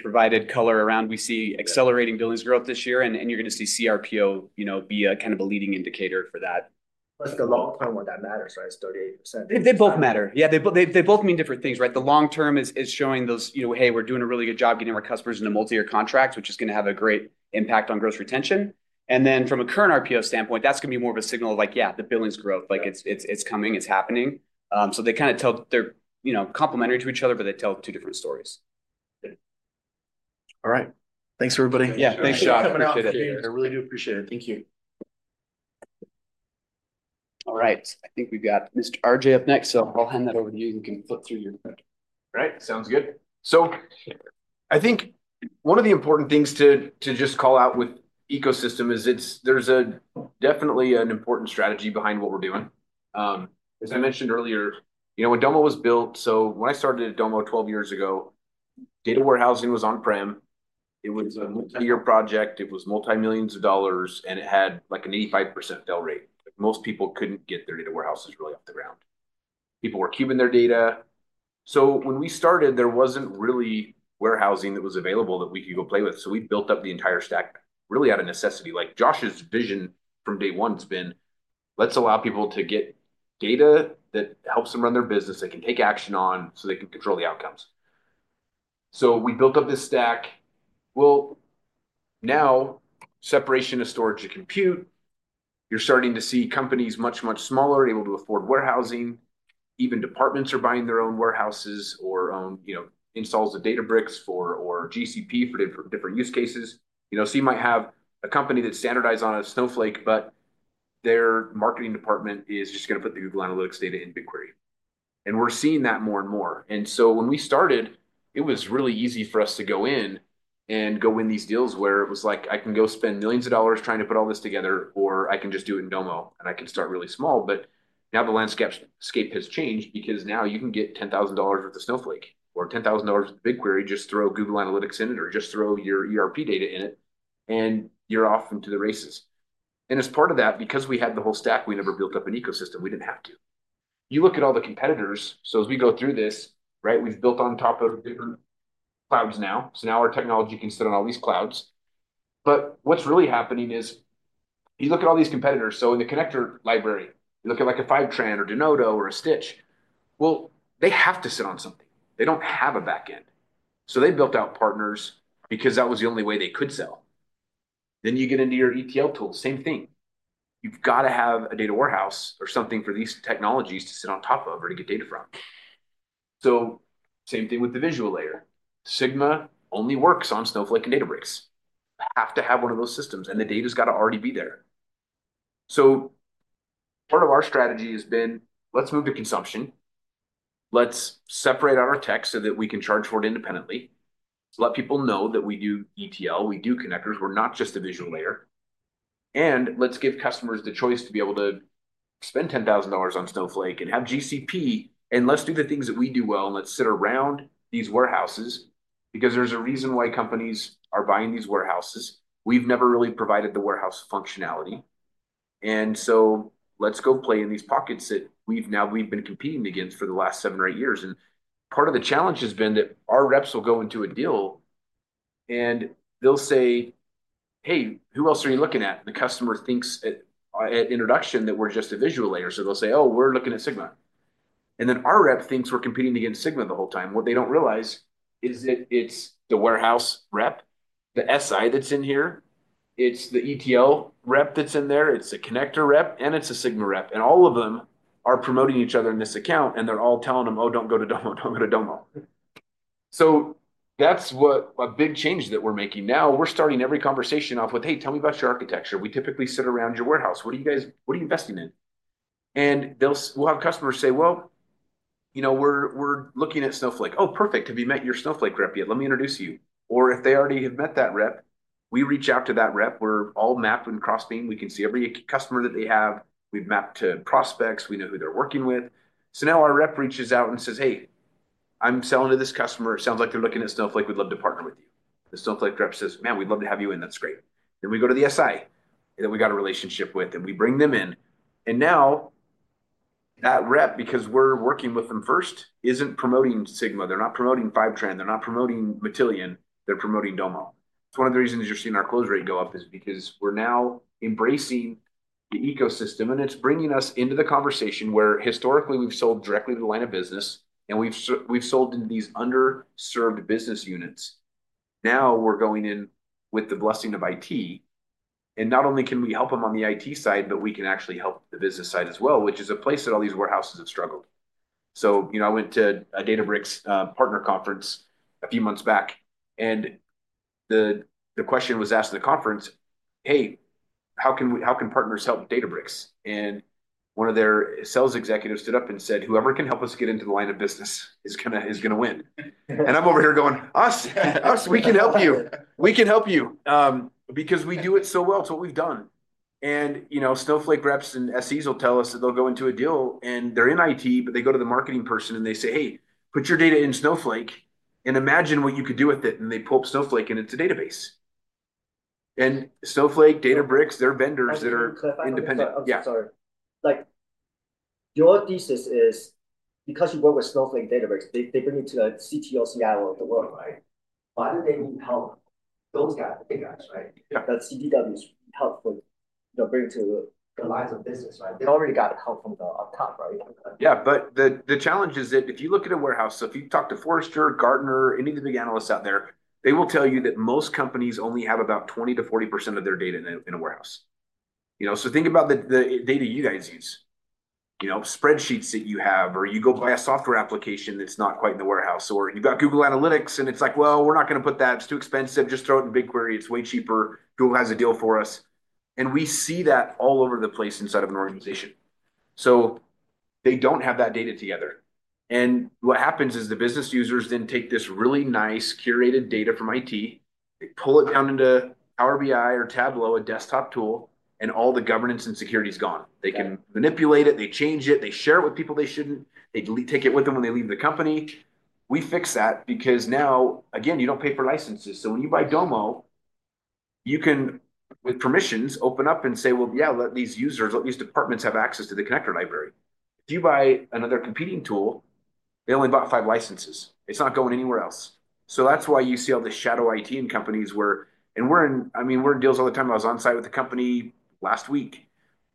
provided color around. We see accelerating billings growth this year. And you're going to see CRPO be kind of a leading indicator for that. The long-term, what that matters, right? It's 38%. They both matter. Yeah. They both mean different things, right? The long-term is showing those, "Hey, we're doing a really good job getting our customers into multi-year contracts," which is going to have a great impact on gross retention. From a current RPO standpoint, that's going to be more of a signal of like, "Yeah, the billings growth, it's coming, it's happening." They kind of tell they're complementary to each other, but they tell two different stories. All right. Thanks, everybody. Yeah. Thanks, Josh. Appreciate it. I really do appreciate it. Thank you. All right. I think we've got Mr. RJ up next. So I'll hand that over to you. You can flip through your. All right. Sounds good. I think one of the important things to just call out with ecosystem is there's definitely an important strategy behind what we're doing. As I mentioned earlier, when Domo was built—when I started at Domo 12 years ago, data warehousing was on-prem. It was a multi-year project. It was multi-millions of dollars. It had like an 85% fail rate. Most people couldn't get their data warehouses really off the ground. People were keeping their data. When we started, there wasn't really warehousing that was available that we could go play with. We built up the entire stack really out of necessity. Josh's vision from day one has been, "Let's allow people to get data that helps them run their business, that can take action on so they can control the outcomes." We built up this stack. Now separation of storage to compute, you're starting to see companies much, much smaller able to afford warehousing. Even departments are buying their own warehouses or installs of Databricks or GCP for different use cases. You might have a company that's standardized on a Snowflake, but their marketing department is just going to put the Google Analytics data in BigQuery. We're seeing that more and more. When we started, it was really easy for us to go in and go win these deals where it was like, "I can go spend millions of dollars trying to put all this together, or I can just do it in Domo, and I can start really small." Now the landscape has changed because now you can get $10,000 with a Snowflake or $10,000 with BigQuery. Just throw Google Analytics in it or just throw your ERP data in it, and you're off into the races. As part of that, because we had the whole stack, we never built up an ecosystem. We didn't have to. You look at all the competitors. As we go through this, right, we've built on top of different clouds now. Now our technology can sit on all these clouds. What's really happening is you look at all these competitors. In the connector library, you look at like a FiveTran or Denodo or a Stitch. They have to sit on something. They don't have a backend. They built out partners because that was the only way they could sell. You get into your ETL tools. Same thing. You've got to have a data warehouse or something for these technologies to sit on top of or to get data from. Same thing with the visual layer. Sigma only works on Snowflake and Databricks. Have to have one of those systems. The data's got to already be there. Part of our strategy has been, "Let's move to consumption. Let's separate out our tech so that we can charge for it independently. Let people know that we do ETL. We do connectors. We're not just a visual layer. Let's give customers the choice to be able to spend $10,000 on Snowflake and have GCP. Let's do the things that we do well. Let's sit around these warehouses because there's a reason why companies are buying these warehouses. We've never really provided the warehouse functionality. Let's go play in these pockets that we've been competing against for the last seven or eight years. Part of the challenge has been that our reps will go into a deal, and they'll say, "Hey, who else are you looking at?" The customer thinks at introduction that we're just a visual layer. So they'll say, "Oh, we're looking at Sigma." Then our rep thinks we're competing against Sigma the whole time. What they don't realize is that it's the warehouse rep, the SI that's in here. It's the ETL rep that's in there. It's the connector rep. And it's a Sigma rep. All of them are promoting each other in this account. They're all telling them, "Oh, don't go to Domo. Don't go to Domo." That's a big change that we're making. Now we're starting every conversation off with, "Hey, tell me about your architecture. We typically sit around your warehouse. What are you guys—what are you investing in?" We have customers say, "Well, we're looking at Snowflake." "Oh, perfect. Have you met your Snowflake rep yet? Let me introduce you." If they already have met that rep, we reach out to that rep. We're all mapped and cross-beam. We can see every customer that they have. We've mapped to prospects. We know who they're working with. Now our rep reaches out and says, "Hey, I'm selling to this customer. It sounds like they're looking at Snowflake. We'd love to partner with you." The Snowflake rep says, "Man, we'd love to have you in. That's great." We go to the SI that we got a relationship with, and we bring them in. Now that rep, because we're working with them first, isn't promoting Sigma. They're not promoting FiveTran. They're not promoting Matillion. They're promoting Domo. It's one of the reasons you're seeing our close rate go up is because we're now embracing the ecosystem. It's bringing us into the conversation where historically we've sold directly to the line of business, and we've sold into these underserved business units. Now we're going in with the blessing of IT. Not only can we help them on the IT side, but we can actually help the business side as well, which is a place that all these warehouses have struggled. I went to a Databricks partner conference a few months back. The question was asked at the conference, "Hey, how can partners help Databricks?" One of their sales executives stood up and said, "Whoever can help us get into the line of business is going to win." I'm over here going, "Us, we can help you. We can help you because we do it so well. It's what we've done." Snowflake reps and SEs will tell us that they'll go into a deal, and they're in IT, but they go to the marketing person and they say, "Hey, put your data in Snowflake and imagine what you could do with it." They pull up Snowflake, and it's a database. Snowflake, Databricks, they're vendors that are independent. Sorry. Your thesis is because you work with Snowflake and Databricks, they bring you to CTO Seattle of the world, right? Why do they need help? Those guys, big guys, right? That CDWs help bring to the lines of business, right? They already got help from the top, right? Yeah. The challenge is that if you look at a warehouse, if you talk to Forrester, Gartner, any of the big analysts out there, they will tell you that most companies only have about 20-40% of their data in a warehouse. Think about the data you guys use, spreadsheets that you have, or you go buy a software application that's not quite in the warehouse. Or you've got Google Analytics, and it's like, "We're not going to put that. It's too expensive. Just throw it in BigQuery. It's way cheaper. Google has a deal for us." We see that all over the place inside of an organization. They do not have that data together. What happens is the business users then take this really nice curated data from IT. They pull it down into Power BI or Tableau, a desktop tool, and all the governance and security is gone. They can manipulate it. They change it. They share it with people they shouldn't. They take it with them when they leave the company. We fix that because now, again, you don't pay for licenses. When you buy Domo, you can, with permissions, open up and say, "Yeah, let these users, let these departments have access to the connector library." If you buy another competing tool, they only bought five licenses. It's not going anywhere else. That's why you see all the shadow IT in companies where, and we're in, I mean, we're in deals all the time. I was on site with a company last week.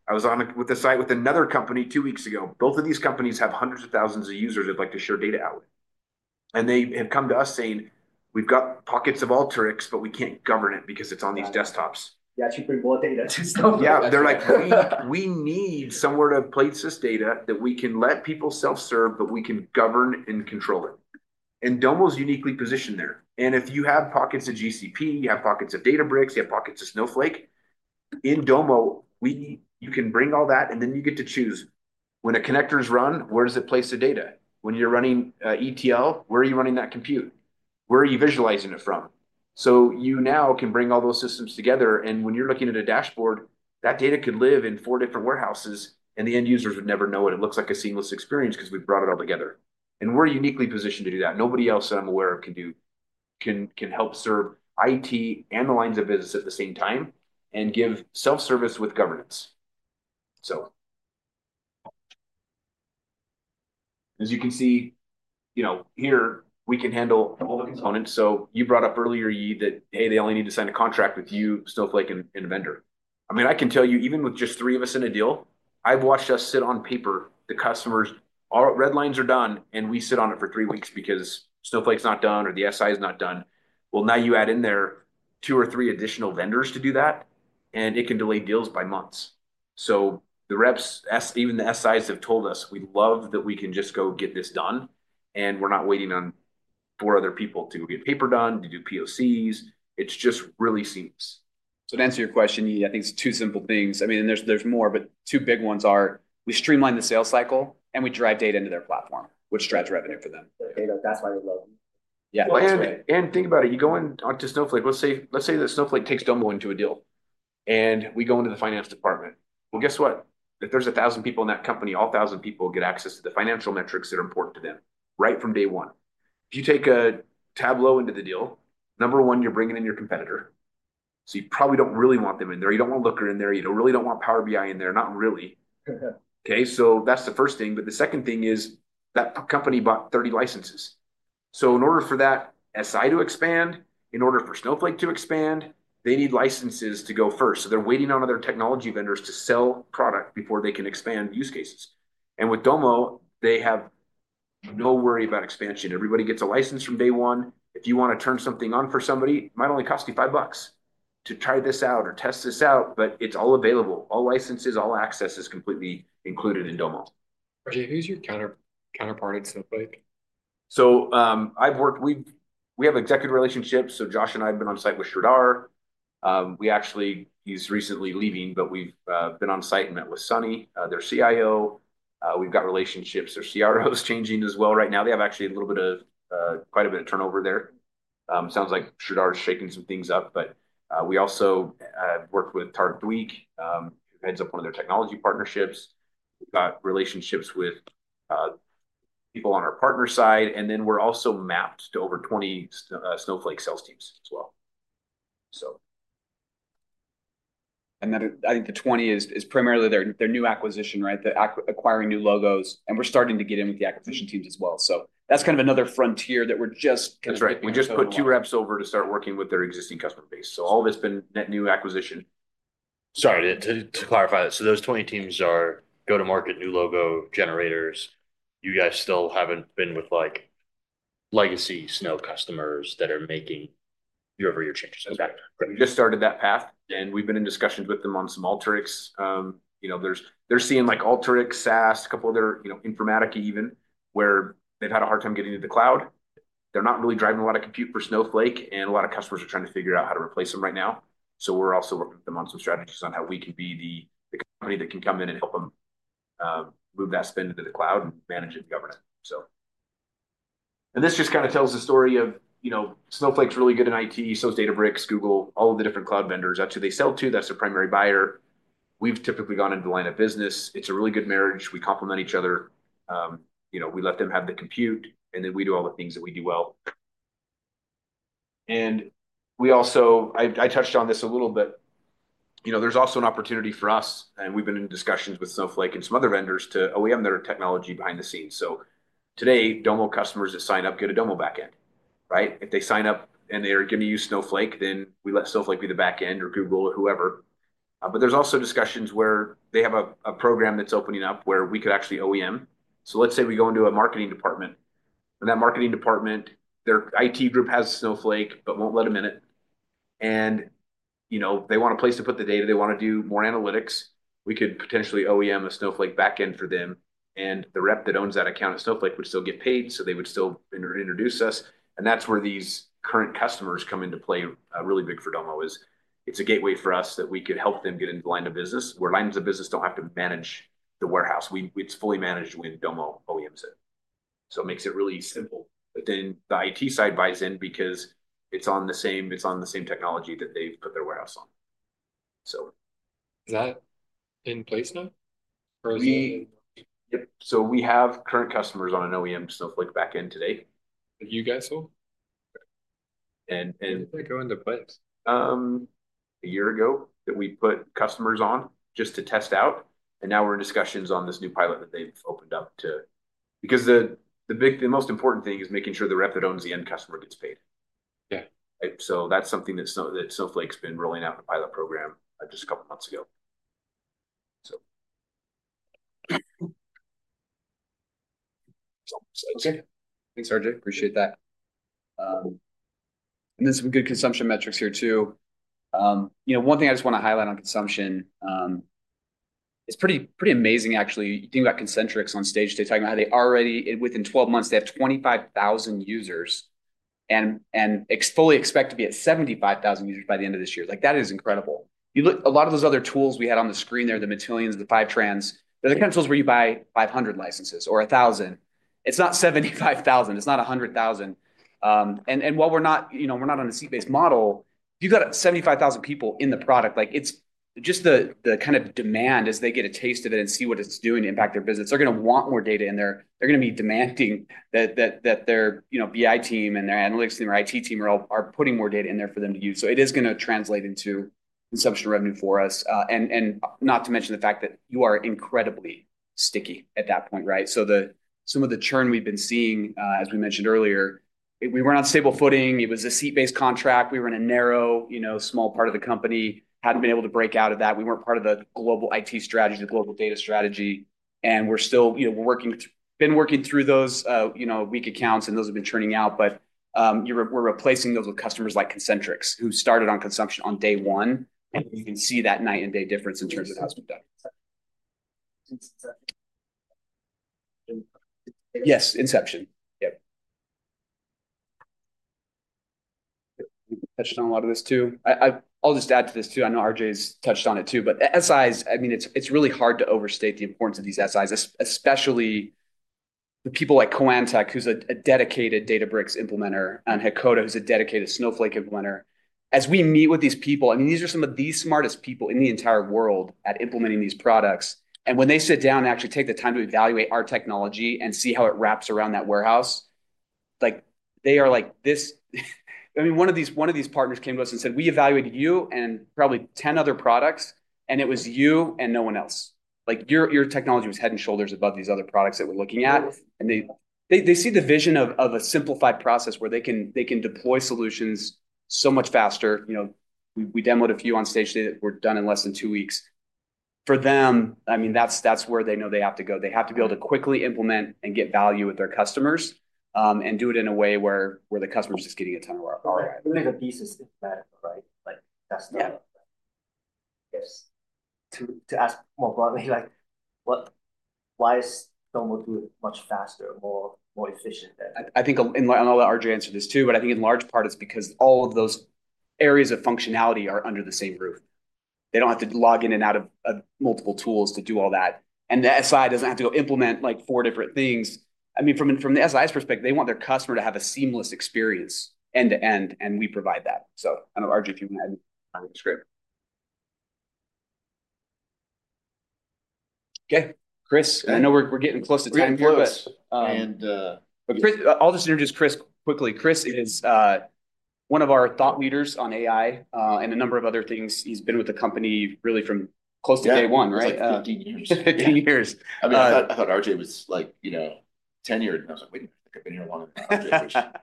I was on with a site with another company two weeks ago. Both of these companies have hundreds of thousands of users they'd like to share data out with. They have come to us saying, "We've got pockets of Alteryx, but we can't govern it because it's on these desktops. Yeah. You bring more data to Snowflake. Yeah. They're like, "We need somewhere to place this data that we can let people self-serve, but we can govern and control it." Domo is uniquely positioned there. If you have pockets of GCP, you have pockets of Databricks, you have pockets of Snowflake. In Domo, you can bring all that, and then you get to choose. When a connector is run, where does it place the data? When you're running ETL, where are you running that compute? Where are you visualizing it from? You now can bring all those systems together. When you're looking at a dashboard, that data could live in four different warehouses, and the end users would never know it. It looks like a seamless experience because we've brought it all together. We're uniquely positioned to do that. Nobody else that I'm aware of can help serve IT and the lines of business at the same time and give self-service with governance. As you can see here, we can handle all the components. You brought up earlier, Yi, that, "Hey, they only need to sign a contract with you, Snowflake, and a vendor." I mean, I can tell you, even with just three of us in a deal, I've watched us sit on paper. The customers, all red lines are done, and we sit on it for three weeks because Snowflake's not done or the SI is not done. Now you add in there two or three additional vendors to do that, and it can delay deals by months. The reps, even the SIs have told us, "We love that we can just go get this done, and we're not waiting on four other people to get paper done, to do POCs." It's just really seamless. To answer your question, Yi, I think it's two simple things. I mean, there's more, but two big ones are we streamline the sales cycle, and we drive data into their platform, which drives revenue for them. Data. That's why we love it. Yeah. Think about it. You go into Snowflake. Let's say that Snowflake takes Domo into a deal, and we go into the finance department. Guess what? If there are 1,000 people in that company, all 1,000 people get access to the financial metrics that are important to them right from day one. If you take a Tableau into the deal, number one, you're bringing in your competitor. You probably do not really want them in there. You do not want Looker in there. You really do not want Power BI in there. Not really. That is the first thing. The second thing is that company bought 30 licenses. In order for that SI to expand, in order for Snowflake to expand, they need licenses to go first. They are waiting on other technology vendors to sell product before they can expand use cases. With Domo, they have no worry about expansion. Everybody gets a license from day one. If you want to turn something on for somebody, it might only cost you $5 to try this out or test this out, but it's all available. All licenses, all access is completely included in Domo. Jay, who's your counterpart at Snowflake? We have executive relationships. Josh and I have been on site with Shraddar. He is recently leaving, but we have been on site and met with Sonny, their CIO. We have relationships. Their CRO is changing as well right now. They have actually a little bit of quite a bit of turnover there. It sounds like Shraddar is shaking some things up. We have also worked with Targ Dweek, who heads up one of their technology partnerships. We have relationships with people on our partner side. We are also mapped to over 20 Snowflake sales teams as well. I think the 20 is primarily their new acquisition, right? Acquiring new logos. We're starting to get in with the acquisition teams as well. That's kind of another frontier that we're just. That's right. We just put two reps over to start working with their existing customer base. All this net new acquisition. Sorry. To clarify that, those 20 teams are go-to-market, new logo generators. You guys still have not been with legacy Snow customers that are making your every year changes. Exactly. We just started that path. We've been in discussions with them on some Alteryx. They're seeing Alteryx, SAS, a couple of other Informatica even, where they've had a hard time getting into the cloud. They're not really driving a lot of compute for Snowflake, and a lot of customers are trying to figure out how to replace them right now. We're also working with them on some strategies on how we can be the company that can come in and help them move that spend into the cloud and manage it and govern it. This just kind of tells the story of Snowflake's really good in IT. So is Databricks, Google, all of the different cloud vendors. That's who they sell to. That's their primary buyer. We've typically gone into the line of business. It's a really good marriage. We complement each other. We let them have the compute, and then we do all the things that we do well. I touched on this a little bit. There's also an opportunity for us, and we've been in discussions with Snowflake and some other vendors to OEM their technology behind the scenes. Today, Domo customers that sign up get a Domo backend, right? If they sign up and they're going to use Snowflake, we let Snowflake be the backend or Google or whoever. There's also discussions where they have a program that's opening up where we could actually OEM. Let's say we go into a marketing department, and that marketing department, their IT group has Snowflake but won't let them in it. They want a place to put the data. They want to do more analytics. We could potentially OEM a Snowflake backend for them. The rep that owns that account at Snowflake would still get paid. They would still introduce us. That is where these current customers come into play really big for Domo. It is a gateway for us that we could help them get into the line of business where lines of business do not have to manage the warehouse. It is fully managed when Domo OEMs it. It makes it really simple. The IT side buys in because it is on the same technology that they have put their warehouse on. Is that in place now? Yep. We have current customers on an OEM Snowflake backend today. You guys hold? And. When did they go into plants? A year ago that we put customers on just to test out. Now we're in discussions on this new pilot that they've opened up too because the most important thing is making sure the rep that owns the end customer gets paid. That's something that Snowflake's been rolling out in a pilot program just a couple of months ago. Okay. Thanks, RJ. Appreciate that. There are some good consumption metrics here too. One thing I just want to highlight on consumption, it's pretty amazing, actually. You think about Concentrix on stage, they're talking about how they already, within 12 months, have 25,000 users and fully expect to be at 75,000 users by the end of this year. That is incredible. A lot of those other tools we had on the screen there, the Matillions, the FiveTrans, they're the kind of tools where you buy 500 licenses or 1,000. It's not 75,000. It's not 100,000. While we're not on a seat-based model, you've got 75,000 people in the product. Just the kind of demand as they get a taste of it and see what it's doing to impact their business, they're going to want more data in there. They're going to be demanding that their BI team and their analytics and their IT team are putting more data in there for them to use. It is going to translate into consumption revenue for us. Not to mention the fact that you are incredibly sticky at that point, right? Some of the churn we've been seeing, as we mentioned earlier, we were on stable footing. It was a seat-based contract. We were in a narrow, small part of the company, hadn't been able to break out of that. We weren't part of the global IT strategy, the global data strategy. We're still been working through those weak accounts, and those have been turning out. We're replacing those with customers like Concentrix who started on consumption on day one. You can see that night-and-day difference in terms of how it's been done. Yes. Inception. Yep. Touched on a lot of this too. I'll just add to this too. I know RJ's touched on it too. SIs, I mean, it's really hard to overstate the importance of these SIs, especially the people like Quantiphi, who's a dedicated Databricks implementer, and Hakoda, who's a dedicated Snowflake implementer. As we meet with these people, I mean, these are some of the smartest people in the entire world at implementing these products. When they sit down and actually take the time to evaluate our technology and see how it wraps around that warehouse, they are like this. I mean, one of these partners came to us and said, "We evaluated you and probably 10 other products, and it was you and no one else. Your technology was head and shoulders above these other products that we're looking at." They see the vision of a simplified process where they can deploy solutions so much faster. We demoed a few on stage today that were done in less than two weeks. For them, I mean, that's where they know they have to go. They have to be able to quickly implement and get value with their customers and do it in a way where the customer's just getting a ton of work. All right. They're going to be systematic, right? That's the. Yes. To ask more broadly, why is Domo do it much faster, more efficient? I think, and I'll let RJ answer this too, but I think in large part it's because all of those areas of functionality are under the same roof. They don't have to log in and out of multiple tools to do all that. The SI doesn't have to go implement four different things. I mean, from the SI's perspective, they want their customer to have a seamless experience end to end, and we provide that. I don't know, RJ, if you want to add anything to that script. Okay. Chris, I know we're getting close to time here, but. And. Chris, I'll just introduce Chris quickly. Chris is one of our thought leaders on AI and a number of other things. He's been with the company really from close to day one, right? 15 years. 15 years. I mean, I thought RJ was tenured, and I was like, "Wait a minute. I think I've been here longer than RJ.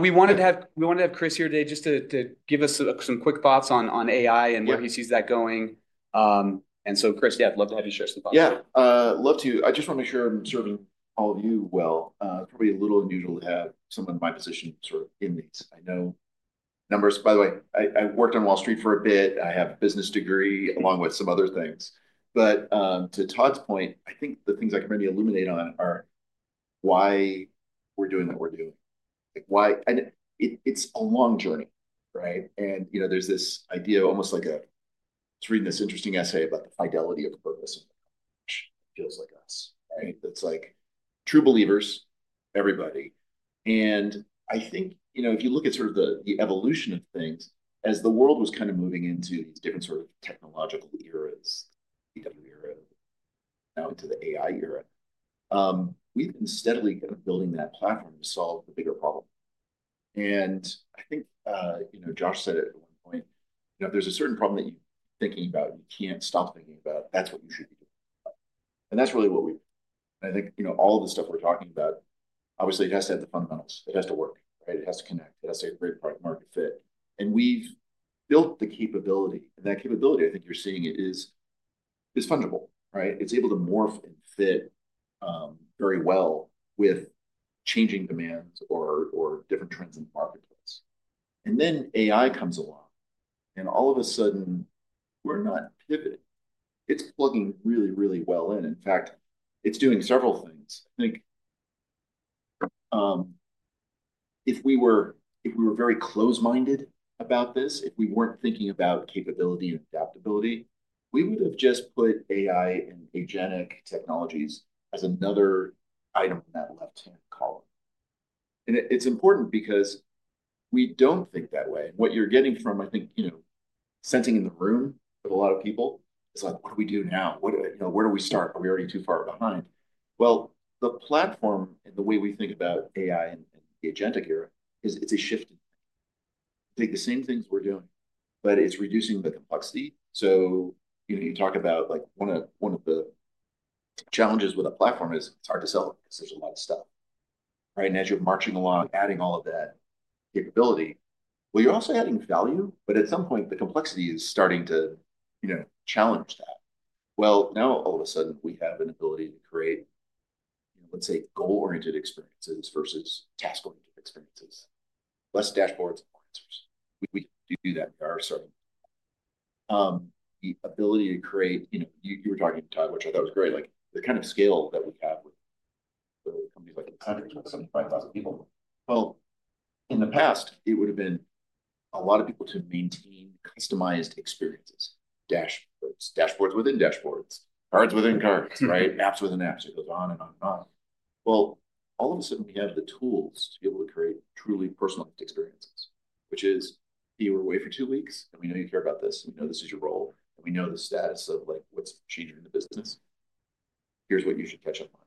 We wanted to have Chris here today just to give us some quick thoughts on AI and where he sees that going. Chris, yeah, I'd love to have you share some thoughts. Yeah. I just want to make sure I'm serving all of you well. It's probably a little unusual to have someone in my position sort of in these. I know numbers. By the way, I worked on Wall Street for a bit. I have a business degree along with some other things. To Todd's point, I think the things I can really illuminate on are why we're doing what we're doing. It's a long journey, right? There's this idea of almost like a—I was reading this interesting essay about the fidelity of purpose of the company which feels like us, right? It's like true believers, everybody. I think if you look at sort of the evolution of things, as the world was kind of moving into these different sort of technological eras, the BW era, now into the AI era, we've been steadily kind of building that platform to solve the bigger problem. I think Josh said it at one point. If there's a certain problem that you're thinking about, you can't stop thinking about it. That's what you should be doing. That's really what we've—I think all of the stuff we're talking about, obviously, it has to have the fundamentals. It has to work, right? It has to connect. It has to have great product-market fit. We've built the capability. That capability, I think you're seeing it, is fungible, right? It's able to morph and fit very well with changing demands or different trends in the marketplace. AI comes along, and all of a sudden, we're not pivoting. It's plugging really, really well in. In fact, it's doing several things. I think if we were very close-minded about this, if we weren't thinking about capability and adaptability, we would have just put AI and agentic technologies as another item in that left-hand column. It's important because we don't think that way. What you're getting from, I think, sensing in the room with a lot of people, it's like, "What do we do now? Where do we start? Are we already too far behind?" The platform and the way we think about AI and the agentic era is it's a shift in thinking. They do the same things we're doing, but it's reducing the complexity. You talk about one of the challenges with a platform is it's hard to sell because there's a lot of stuff, right? As you're marching along, adding all of that capability, you're also adding value. At some point, the complexity is starting to challenge that. Now, all of a sudden, we have an ability to create, let's say, goal-oriented experiences versus task-oriented experiences, less dashboards and more answers. We do that. We are starting to do that. The ability to create—you were talking to Todd, which I thought was great—the kind of scale that we have with companies like 175,000 people. In the past, it would have been a lot of people to maintain customized experiences, dashboards, dashboards within dashboards, cards within cards, right? Apps within apps. It goes on and on and on. All of a sudden, we have the tools to be able to create truly personalized experiences, which is, "Hey, we're away for two weeks, and we know you care about this, and we know this is your role, and we know the status of what's changing in the business. Here's what you should catch up on."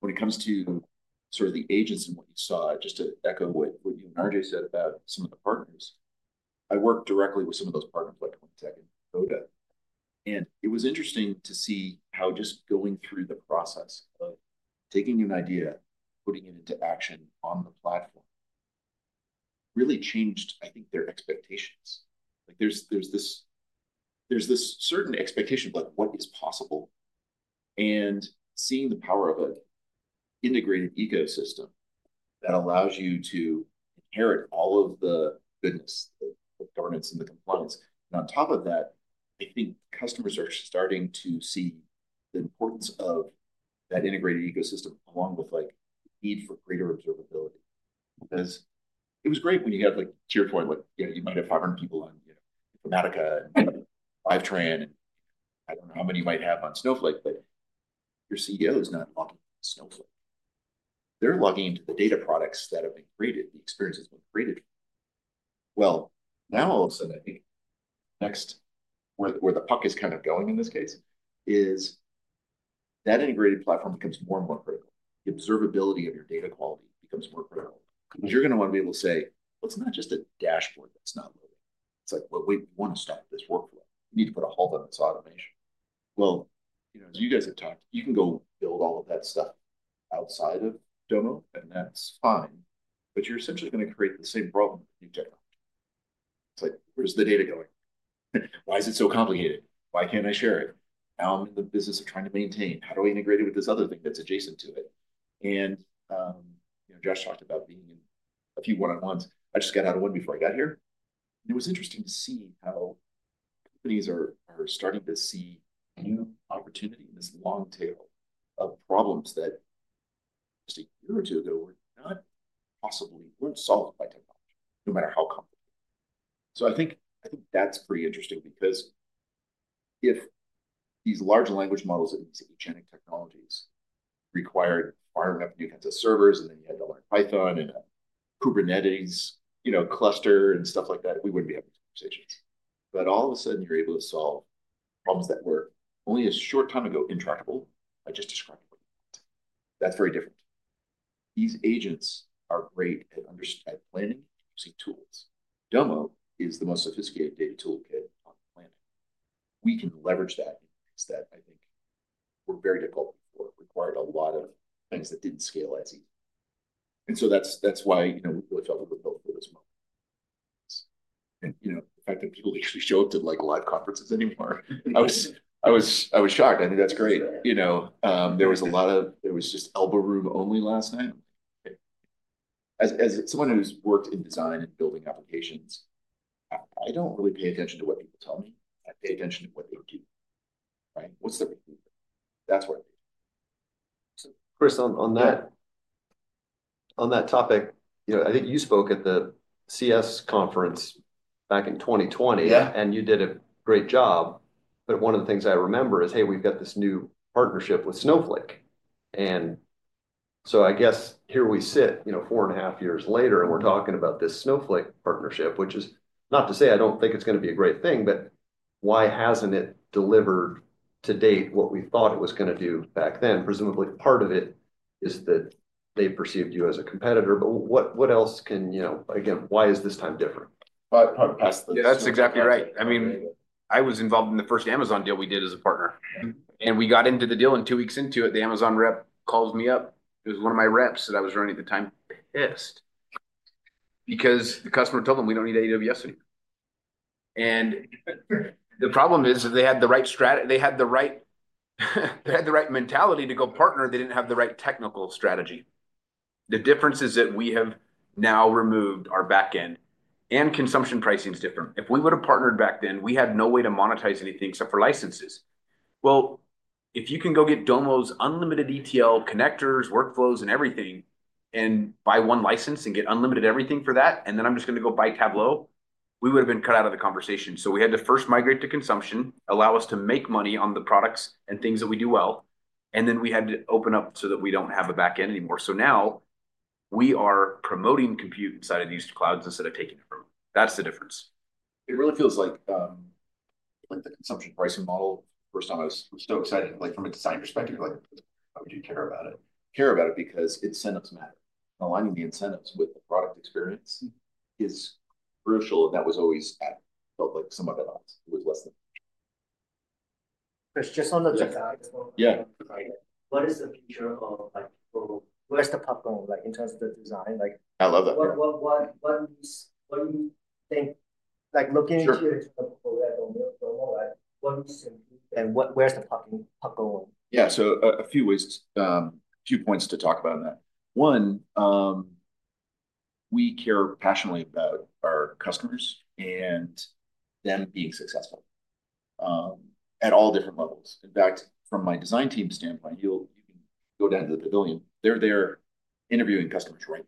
When it comes to sort of the agents and what you saw, just to echo what you and RJ said about some of the partners, I worked directly with some of those partners, like Quantiphi and Hakoda. It was interesting to see how just going through the process of taking an idea, putting it into action on the platform, really changed, I think, their expectations. There's this certain expectation of what is possible. Seeing the power of an integrated ecosystem that allows you to inherit all of the goodness, the governance, and the compliance. On top of that, I think customers are starting to see the importance of that integrated ecosystem along with the need for greater observability. Because it was great when you had, to your point, you might have 500 people on Informatica and FiveTran, and I don't know how many you might have on Snowflake, but your CEO is not logging into Snowflake. They're logging into the data products that have been created, the experiences that have been created. Now, all of a sudden, I think next, where the puck is kind of going in this case, is that integrated platform becomes more and more critical. The observability of your data quality becomes more critical. Because you're going to want to be able to say, "Well, it's not just a dashboard that's not loading. It's like, well, wait, we want to stop this workflow. We need to put a halt on this automation." You guys have talked. You can go build all of that stuff outside of Domo, and that's fine. But you're essentially going to create the same problem with new technology. It's like, where's the data going? Why is it so complicated? Why can't I share it? How am I in the business of trying to maintain? How do I integrate it with this other thing that's adjacent to it? Josh talked about being in a few one-on-ones. I just got out of one before I got here. It was interesting to see how companies are starting to see new opportunity in this long tail of problems that just a year or two ago were not possibly solved by technology, no matter how complicated. I think that's pretty interesting because if these large language models and these agentic technologies required fire up new kinds of servers, and then you had to learn Python and a Kubernetes cluster and stuff like that, we wouldn't be having conversations. All of a sudden, you're able to solve problems that were only a short time ago intractable, by just describing what you want. That's very different. These agents are great at planning using tools. Domo is the most sophisticated data toolkit on planning. We can leverage that and use that. I think were very difficult before it required a lot of things that didn't scale as easily. That is why we really felt it was built for this moment. The fact that people usually show up to live conferences anymore, I was shocked. I think that's great. There was a lot of—it was just elbow room only last night. As someone who's worked in design and building applications, I don't really pay attention to what people tell me. I pay attention to what they do, right? What's the reason? That's what I do. Chris, on that topic, I think you spoke at the CS conference back in 2020, and you did a great job. One of the things I remember is, "Hey, we've got this new partnership with Snowflake." I guess here we sit, four and a half years later, and we're talking about this Snowflake partnership, which is not to say I don't think it's going to be a great thing, but why hasn't it delivered to date what we thought it was going to do back then? Presumably, part of it is that they perceived you as a competitor. What else can—again, why is this time different? That's exactly right. I mean, I was involved in the first Amazon deal we did as a partner. We got into the deal, and two weeks into it, the Amazon rep calls me up. It was one of my reps that I was running at the time pissed because the customer told them, "We don't need AWS anymore." The problem is that they had the right strategy; they had the right mentality to go partner. They didn't have the right technical strategy. The difference is that we have now removed our backend, and consumption pricing is different. If we would have partnered back then, we had no way to monetize anything except for licenses. If you can go get Domo's unlimited ETL connectors, workflows, and everything, and buy one license and get unlimited everything for that, and then I'm just going to go buy Tableau, we would have been cut out of the conversation. We had to first migrate to consumption, allow us to make money on the products and things that we do well, and then we had to open up so that we do not have a backend anymore. Now we are promoting compute inside of these clouds instead of taking it from them. That is the difference. It really feels like the consumption pricing model. First time, I was so excited from a design perspective. I would do care about it. Care about it because incentives matter. Aligning the incentives with the product experience is crucial, and that was always felt like somewhat at odds. It was less than the future. Chris, just on the design as well. Yeah. What is the future of—where's the puck going in terms of the design? I love that. What do you think? Looking at the portfolio at Domo, what do you think? Where's the puck going? Yeah. A few points to talk about on that. One, we care passionately about our customers and them being successful at all different levels. In fact, from my design team standpoint, you can go down to the pavilion. They're there interviewing customers right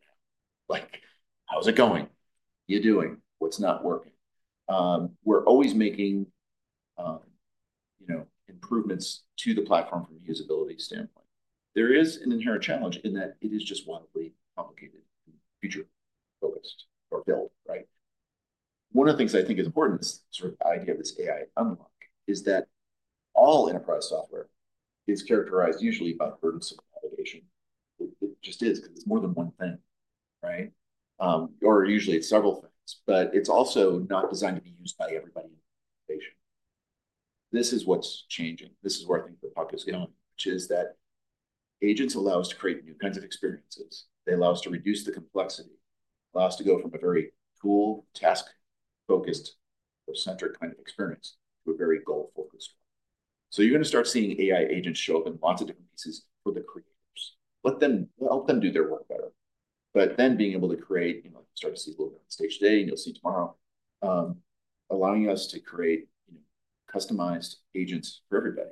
now. How's it going? What are you doing? What's not working? We're always making improvements to the platform from a usability standpoint. There is an inherent challenge in that it is just wildly complicated and future-focused or built, right? One of the things I think is important is sort of the idea of this AI unlock, is that all enterprise software is characterized usually by the burdensome navigation. It just is because it's more than one thing, right? Or usually, it's several things. It's also not designed to be used by everybody in the organization. This is what's changing. This is where I think the puck is going, which is that agents allow us to create new kinds of experiences. They allow us to reduce the complexity. They allow us to go from a very tool task-focused or centric kind of experience to a very goal-focused one. You are going to start seeing AI agents show up in lots of different pieces for the creators. Let them do their work better. Then being able to create—start to see a little bit on stage today, and you will see tomorrow—allowing us to create customized agents for everybody.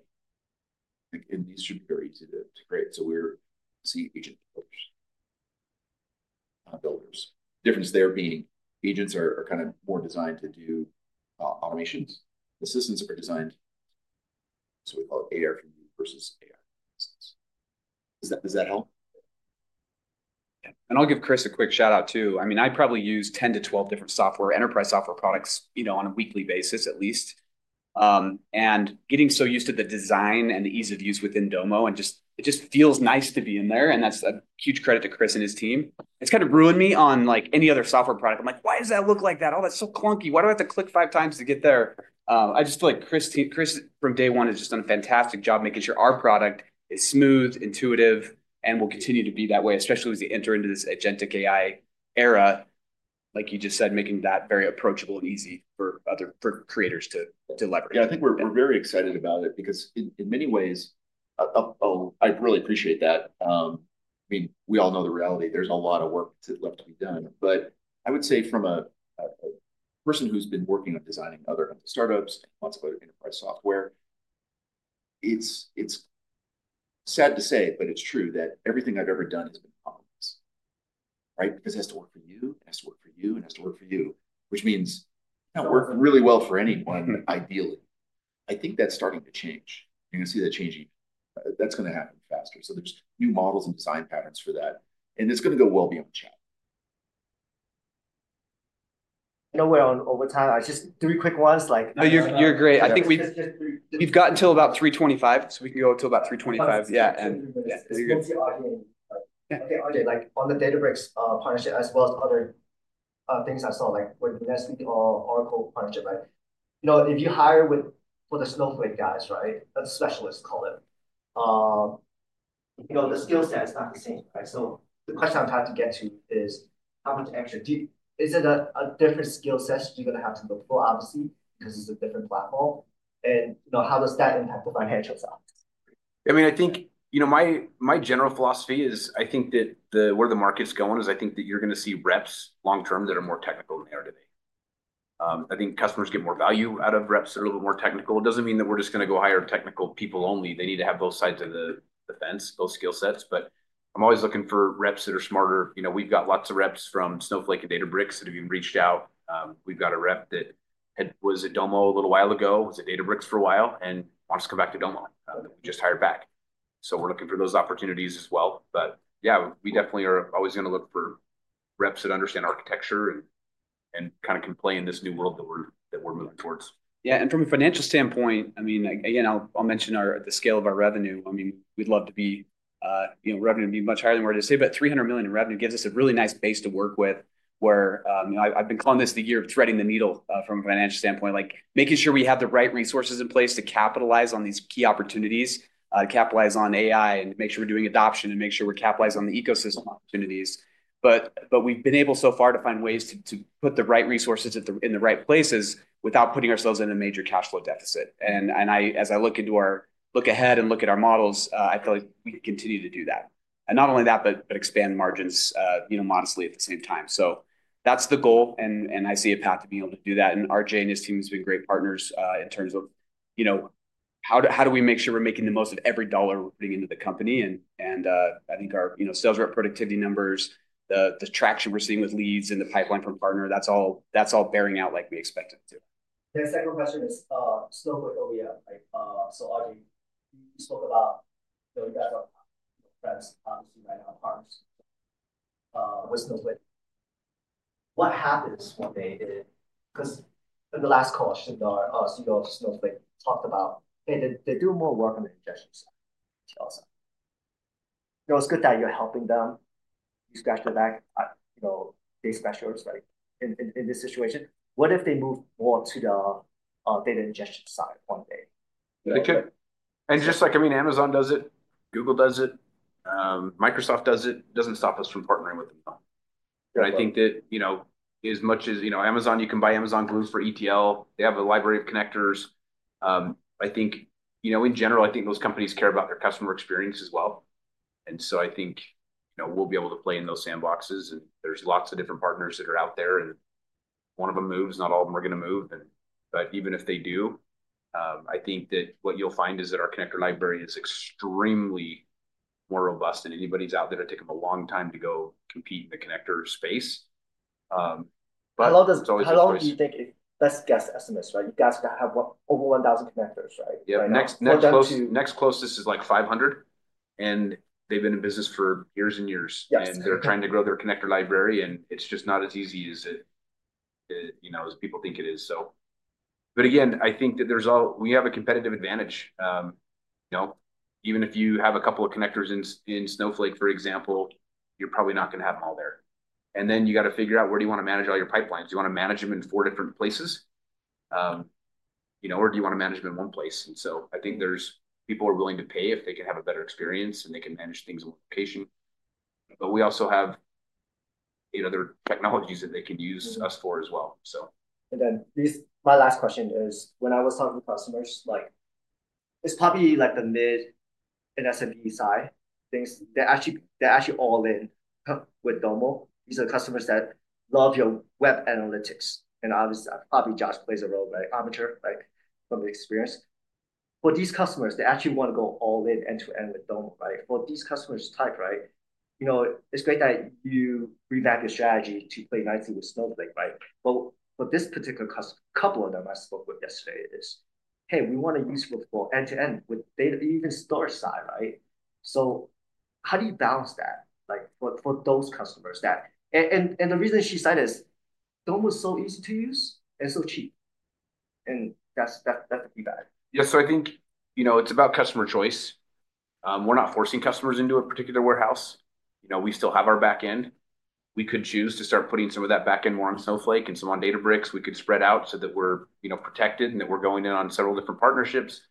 These should be very easy to create. We are seeing agent builders. The difference there being agents are kind of more designed to do automations. Assistants are designed to do what we call AR for you versus AR for assistants. Does that help? Yeah. I'll give Chris a quick shout-out too. I mean, I probably use 10 to 12 different software, enterprise software products on a weekly basis at least. Getting so used to the design and the ease of use within Domo, it just feels nice to be in there. That's a huge credit to Chris and his team. It's kind of ruined me on any other software product. I'm like, "Why does that look like that? Oh, that's so clunky. Why do I have to click five times to get there?" I just feel like Chris from day one has just done a fantastic job making sure our product is smooth, intuitive, and will continue to be that way, especially as you enter into this agentic AI era, like you just said, making that very approachable and easy for creators to leverage. Yeah. I think we're very excited about it because in many ways, I really appreciate that. I mean, we all know the reality. There's a lot of work left to be done. I would say from a person who's been working on designing other enterprise startups and lots of other enterprise software, it's sad to say, but it's true that everything I've ever done has been complex, right? Because it has to work for you, and it has to work for you, and it has to work for you, which means it's not working really well for anyone, ideally. I think that's starting to change. You're going to see that changing. That's going to happen faster. There are new models and design patterns for that. It's going to go well beyond chat. Nowhere on overtime. Just three quick ones. No, you're great. I think we've got until about 3:25, so we can go until about 3:25. Yeah. On the Databricks partnership, as well as other things I saw, like with Nestlé or Oracle partnership, if you hire for the Snowflake guys, right, the specialists call it, the skill set is not the same, right? The question I'm trying to get to is, how much extra—is it a different skill set you're going to have to look for, obviously, because it's a different platform? How does that impact the financial side? I mean, I think my general philosophy is I think that where the market's going is I think that you're going to see reps long-term that are more technical than they are today. I think customers get more value out of reps that are a little bit more technical. It doesn't mean that we're just going to go hire technical people only. They need to have both sides of the fence, both skill sets. But I'm always looking for reps that are smarter. We've got lots of reps from Snowflake and Databricks that have even reached out. We've got a rep that was at Domo a little while ago, was at Databricks for a while, and wants to come back to Domo that we just hired back. So we're looking for those opportunities as well. Yeah, we definitely are always going to look for reps that understand architecture and kind of can play in this new world that we're moving towards. Yeah. From a financial standpoint, I mean, again, I'll mention the scale of our revenue. I mean, we'd love to be—revenue would be much higher than we're able to say, but $300 million in revenue gives us a really nice base to work with, where I've been calling this the year of threading the needle from a financial standpoint, making sure we have the right resources in place to capitalize on these key opportunities, capitalize on AI, and make sure we're doing adoption, and make sure we're capitalizing on the ecosystem opportunities. We've been able so far to find ways to put the right resources in the right places without putting ourselves in a major cash flow deficit. As I look ahead and look at our models, I feel like we can continue to do that. Not only that, but expand margins modestly at the same time. That is the goal, and I see a path to being able to do that. RJ and his team have been great partners in terms of how we make sure we are making the most of every dollar we are putting into the company. I think our sales rep productivity numbers, the traction we are seeing with leads, and the pipeline from partner, that is all bearing out like we expect it to. Yeah. Second question is Snowflake over here. Audrey, you spoke about you guys are friends, obviously, right now, partners with Snowflake. What happens one day? Because in the last call, our CEO of Snowflake talked about, "Hey, they do more work on the injection side." It's good that you're helping them. You scratch their back. They scratch yours, right, in this situation. What if they move more to the data injection side one day? They could. Just like, I mean, Amazon does it. Google does it. Microsoft does it. It does not stop us from partnering with them. I think that as much as Amazon, you can buy Amazon Glue for ETL. They have a library of connectors. I think in general, I think those companies care about their customer experience as well. I think we will be able to play in those sandboxes. There are lots of different partners that are out there. If one of them moves, not all of them are going to move. Even if they do, I think that what you will find is that our connector library is extremely more robust than anybody's out there. It would take them a long time to go compete in the connector space. How long do you think—let's guess estimates, right? You guys have over 1,000 connectors, right? Yeah. Next closest is like 500. And they've been in business for years and years. They're trying to grow their connector library. It's just not as easy as people think it is. I think that we have a competitive advantage. Even if you have a couple of connectors in Snowflake, for example, you're probably not going to have them all there. You have to figure out where you want to manage all your pipelines. Do you want to manage them in four different places, or do you want to manage them in one place? I think people are willing to pay if they can have a better experience, and they can manage things in one location. We also have other technologies that they can use us for as well. Then my last question is, when I was talking to customers, it's probably the mid and SMB side. They're actually all in with Domo because of customers that love your web analytics. Obviously, probably Josh plays a role, right, armature from the experience. For these customers, they actually want to go all in end-to-end with Domo, right? For these customers' type, right, it's great that you revamp your strategy to play nicely with Snowflake, right? For this particular couple of them I spoke with yesterday, it is, "Hey, we want to use it for end-to-end with even store side," right? How do you balance that for those customers? The reason she said is Domo is so easy to use and so cheap. That's the feedback. Yeah. So I think it's about customer choice. We're not forcing customers into a particular warehouse. We still have our backend. We could choose to start putting some of that backend more on Snowflake and some on Databricks. We could spread out so that we're protected and that we're going in on several different partnerships.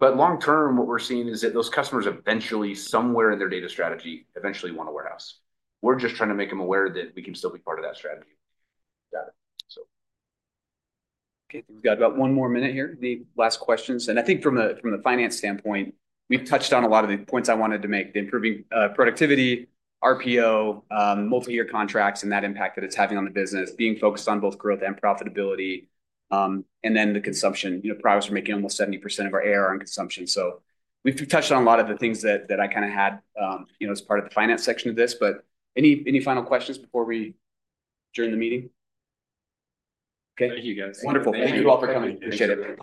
Long-term, what we're seeing is that those customers eventually, somewhere in their data strategy, eventually want a warehouse. We're just trying to make them aware that we can still be part of that strategy. Got it. So. Okay. We've got about one more minute here. The last questions. I think from the finance standpoint, we've touched on a lot of the points I wanted to make: the improving productivity, RPO, multi-year contracts, and that impact that it's having on the business, being focused on both growth and profitability, and then the consumption. Prowess, we're making almost 70% of our AR on consumption. We've touched on a lot of the things that I kind of had as part of the finance section of this. Any final questions before we join the meeting? Okay. Thank you, guys. Wonderful. Thank you all for coming. Appreciate it.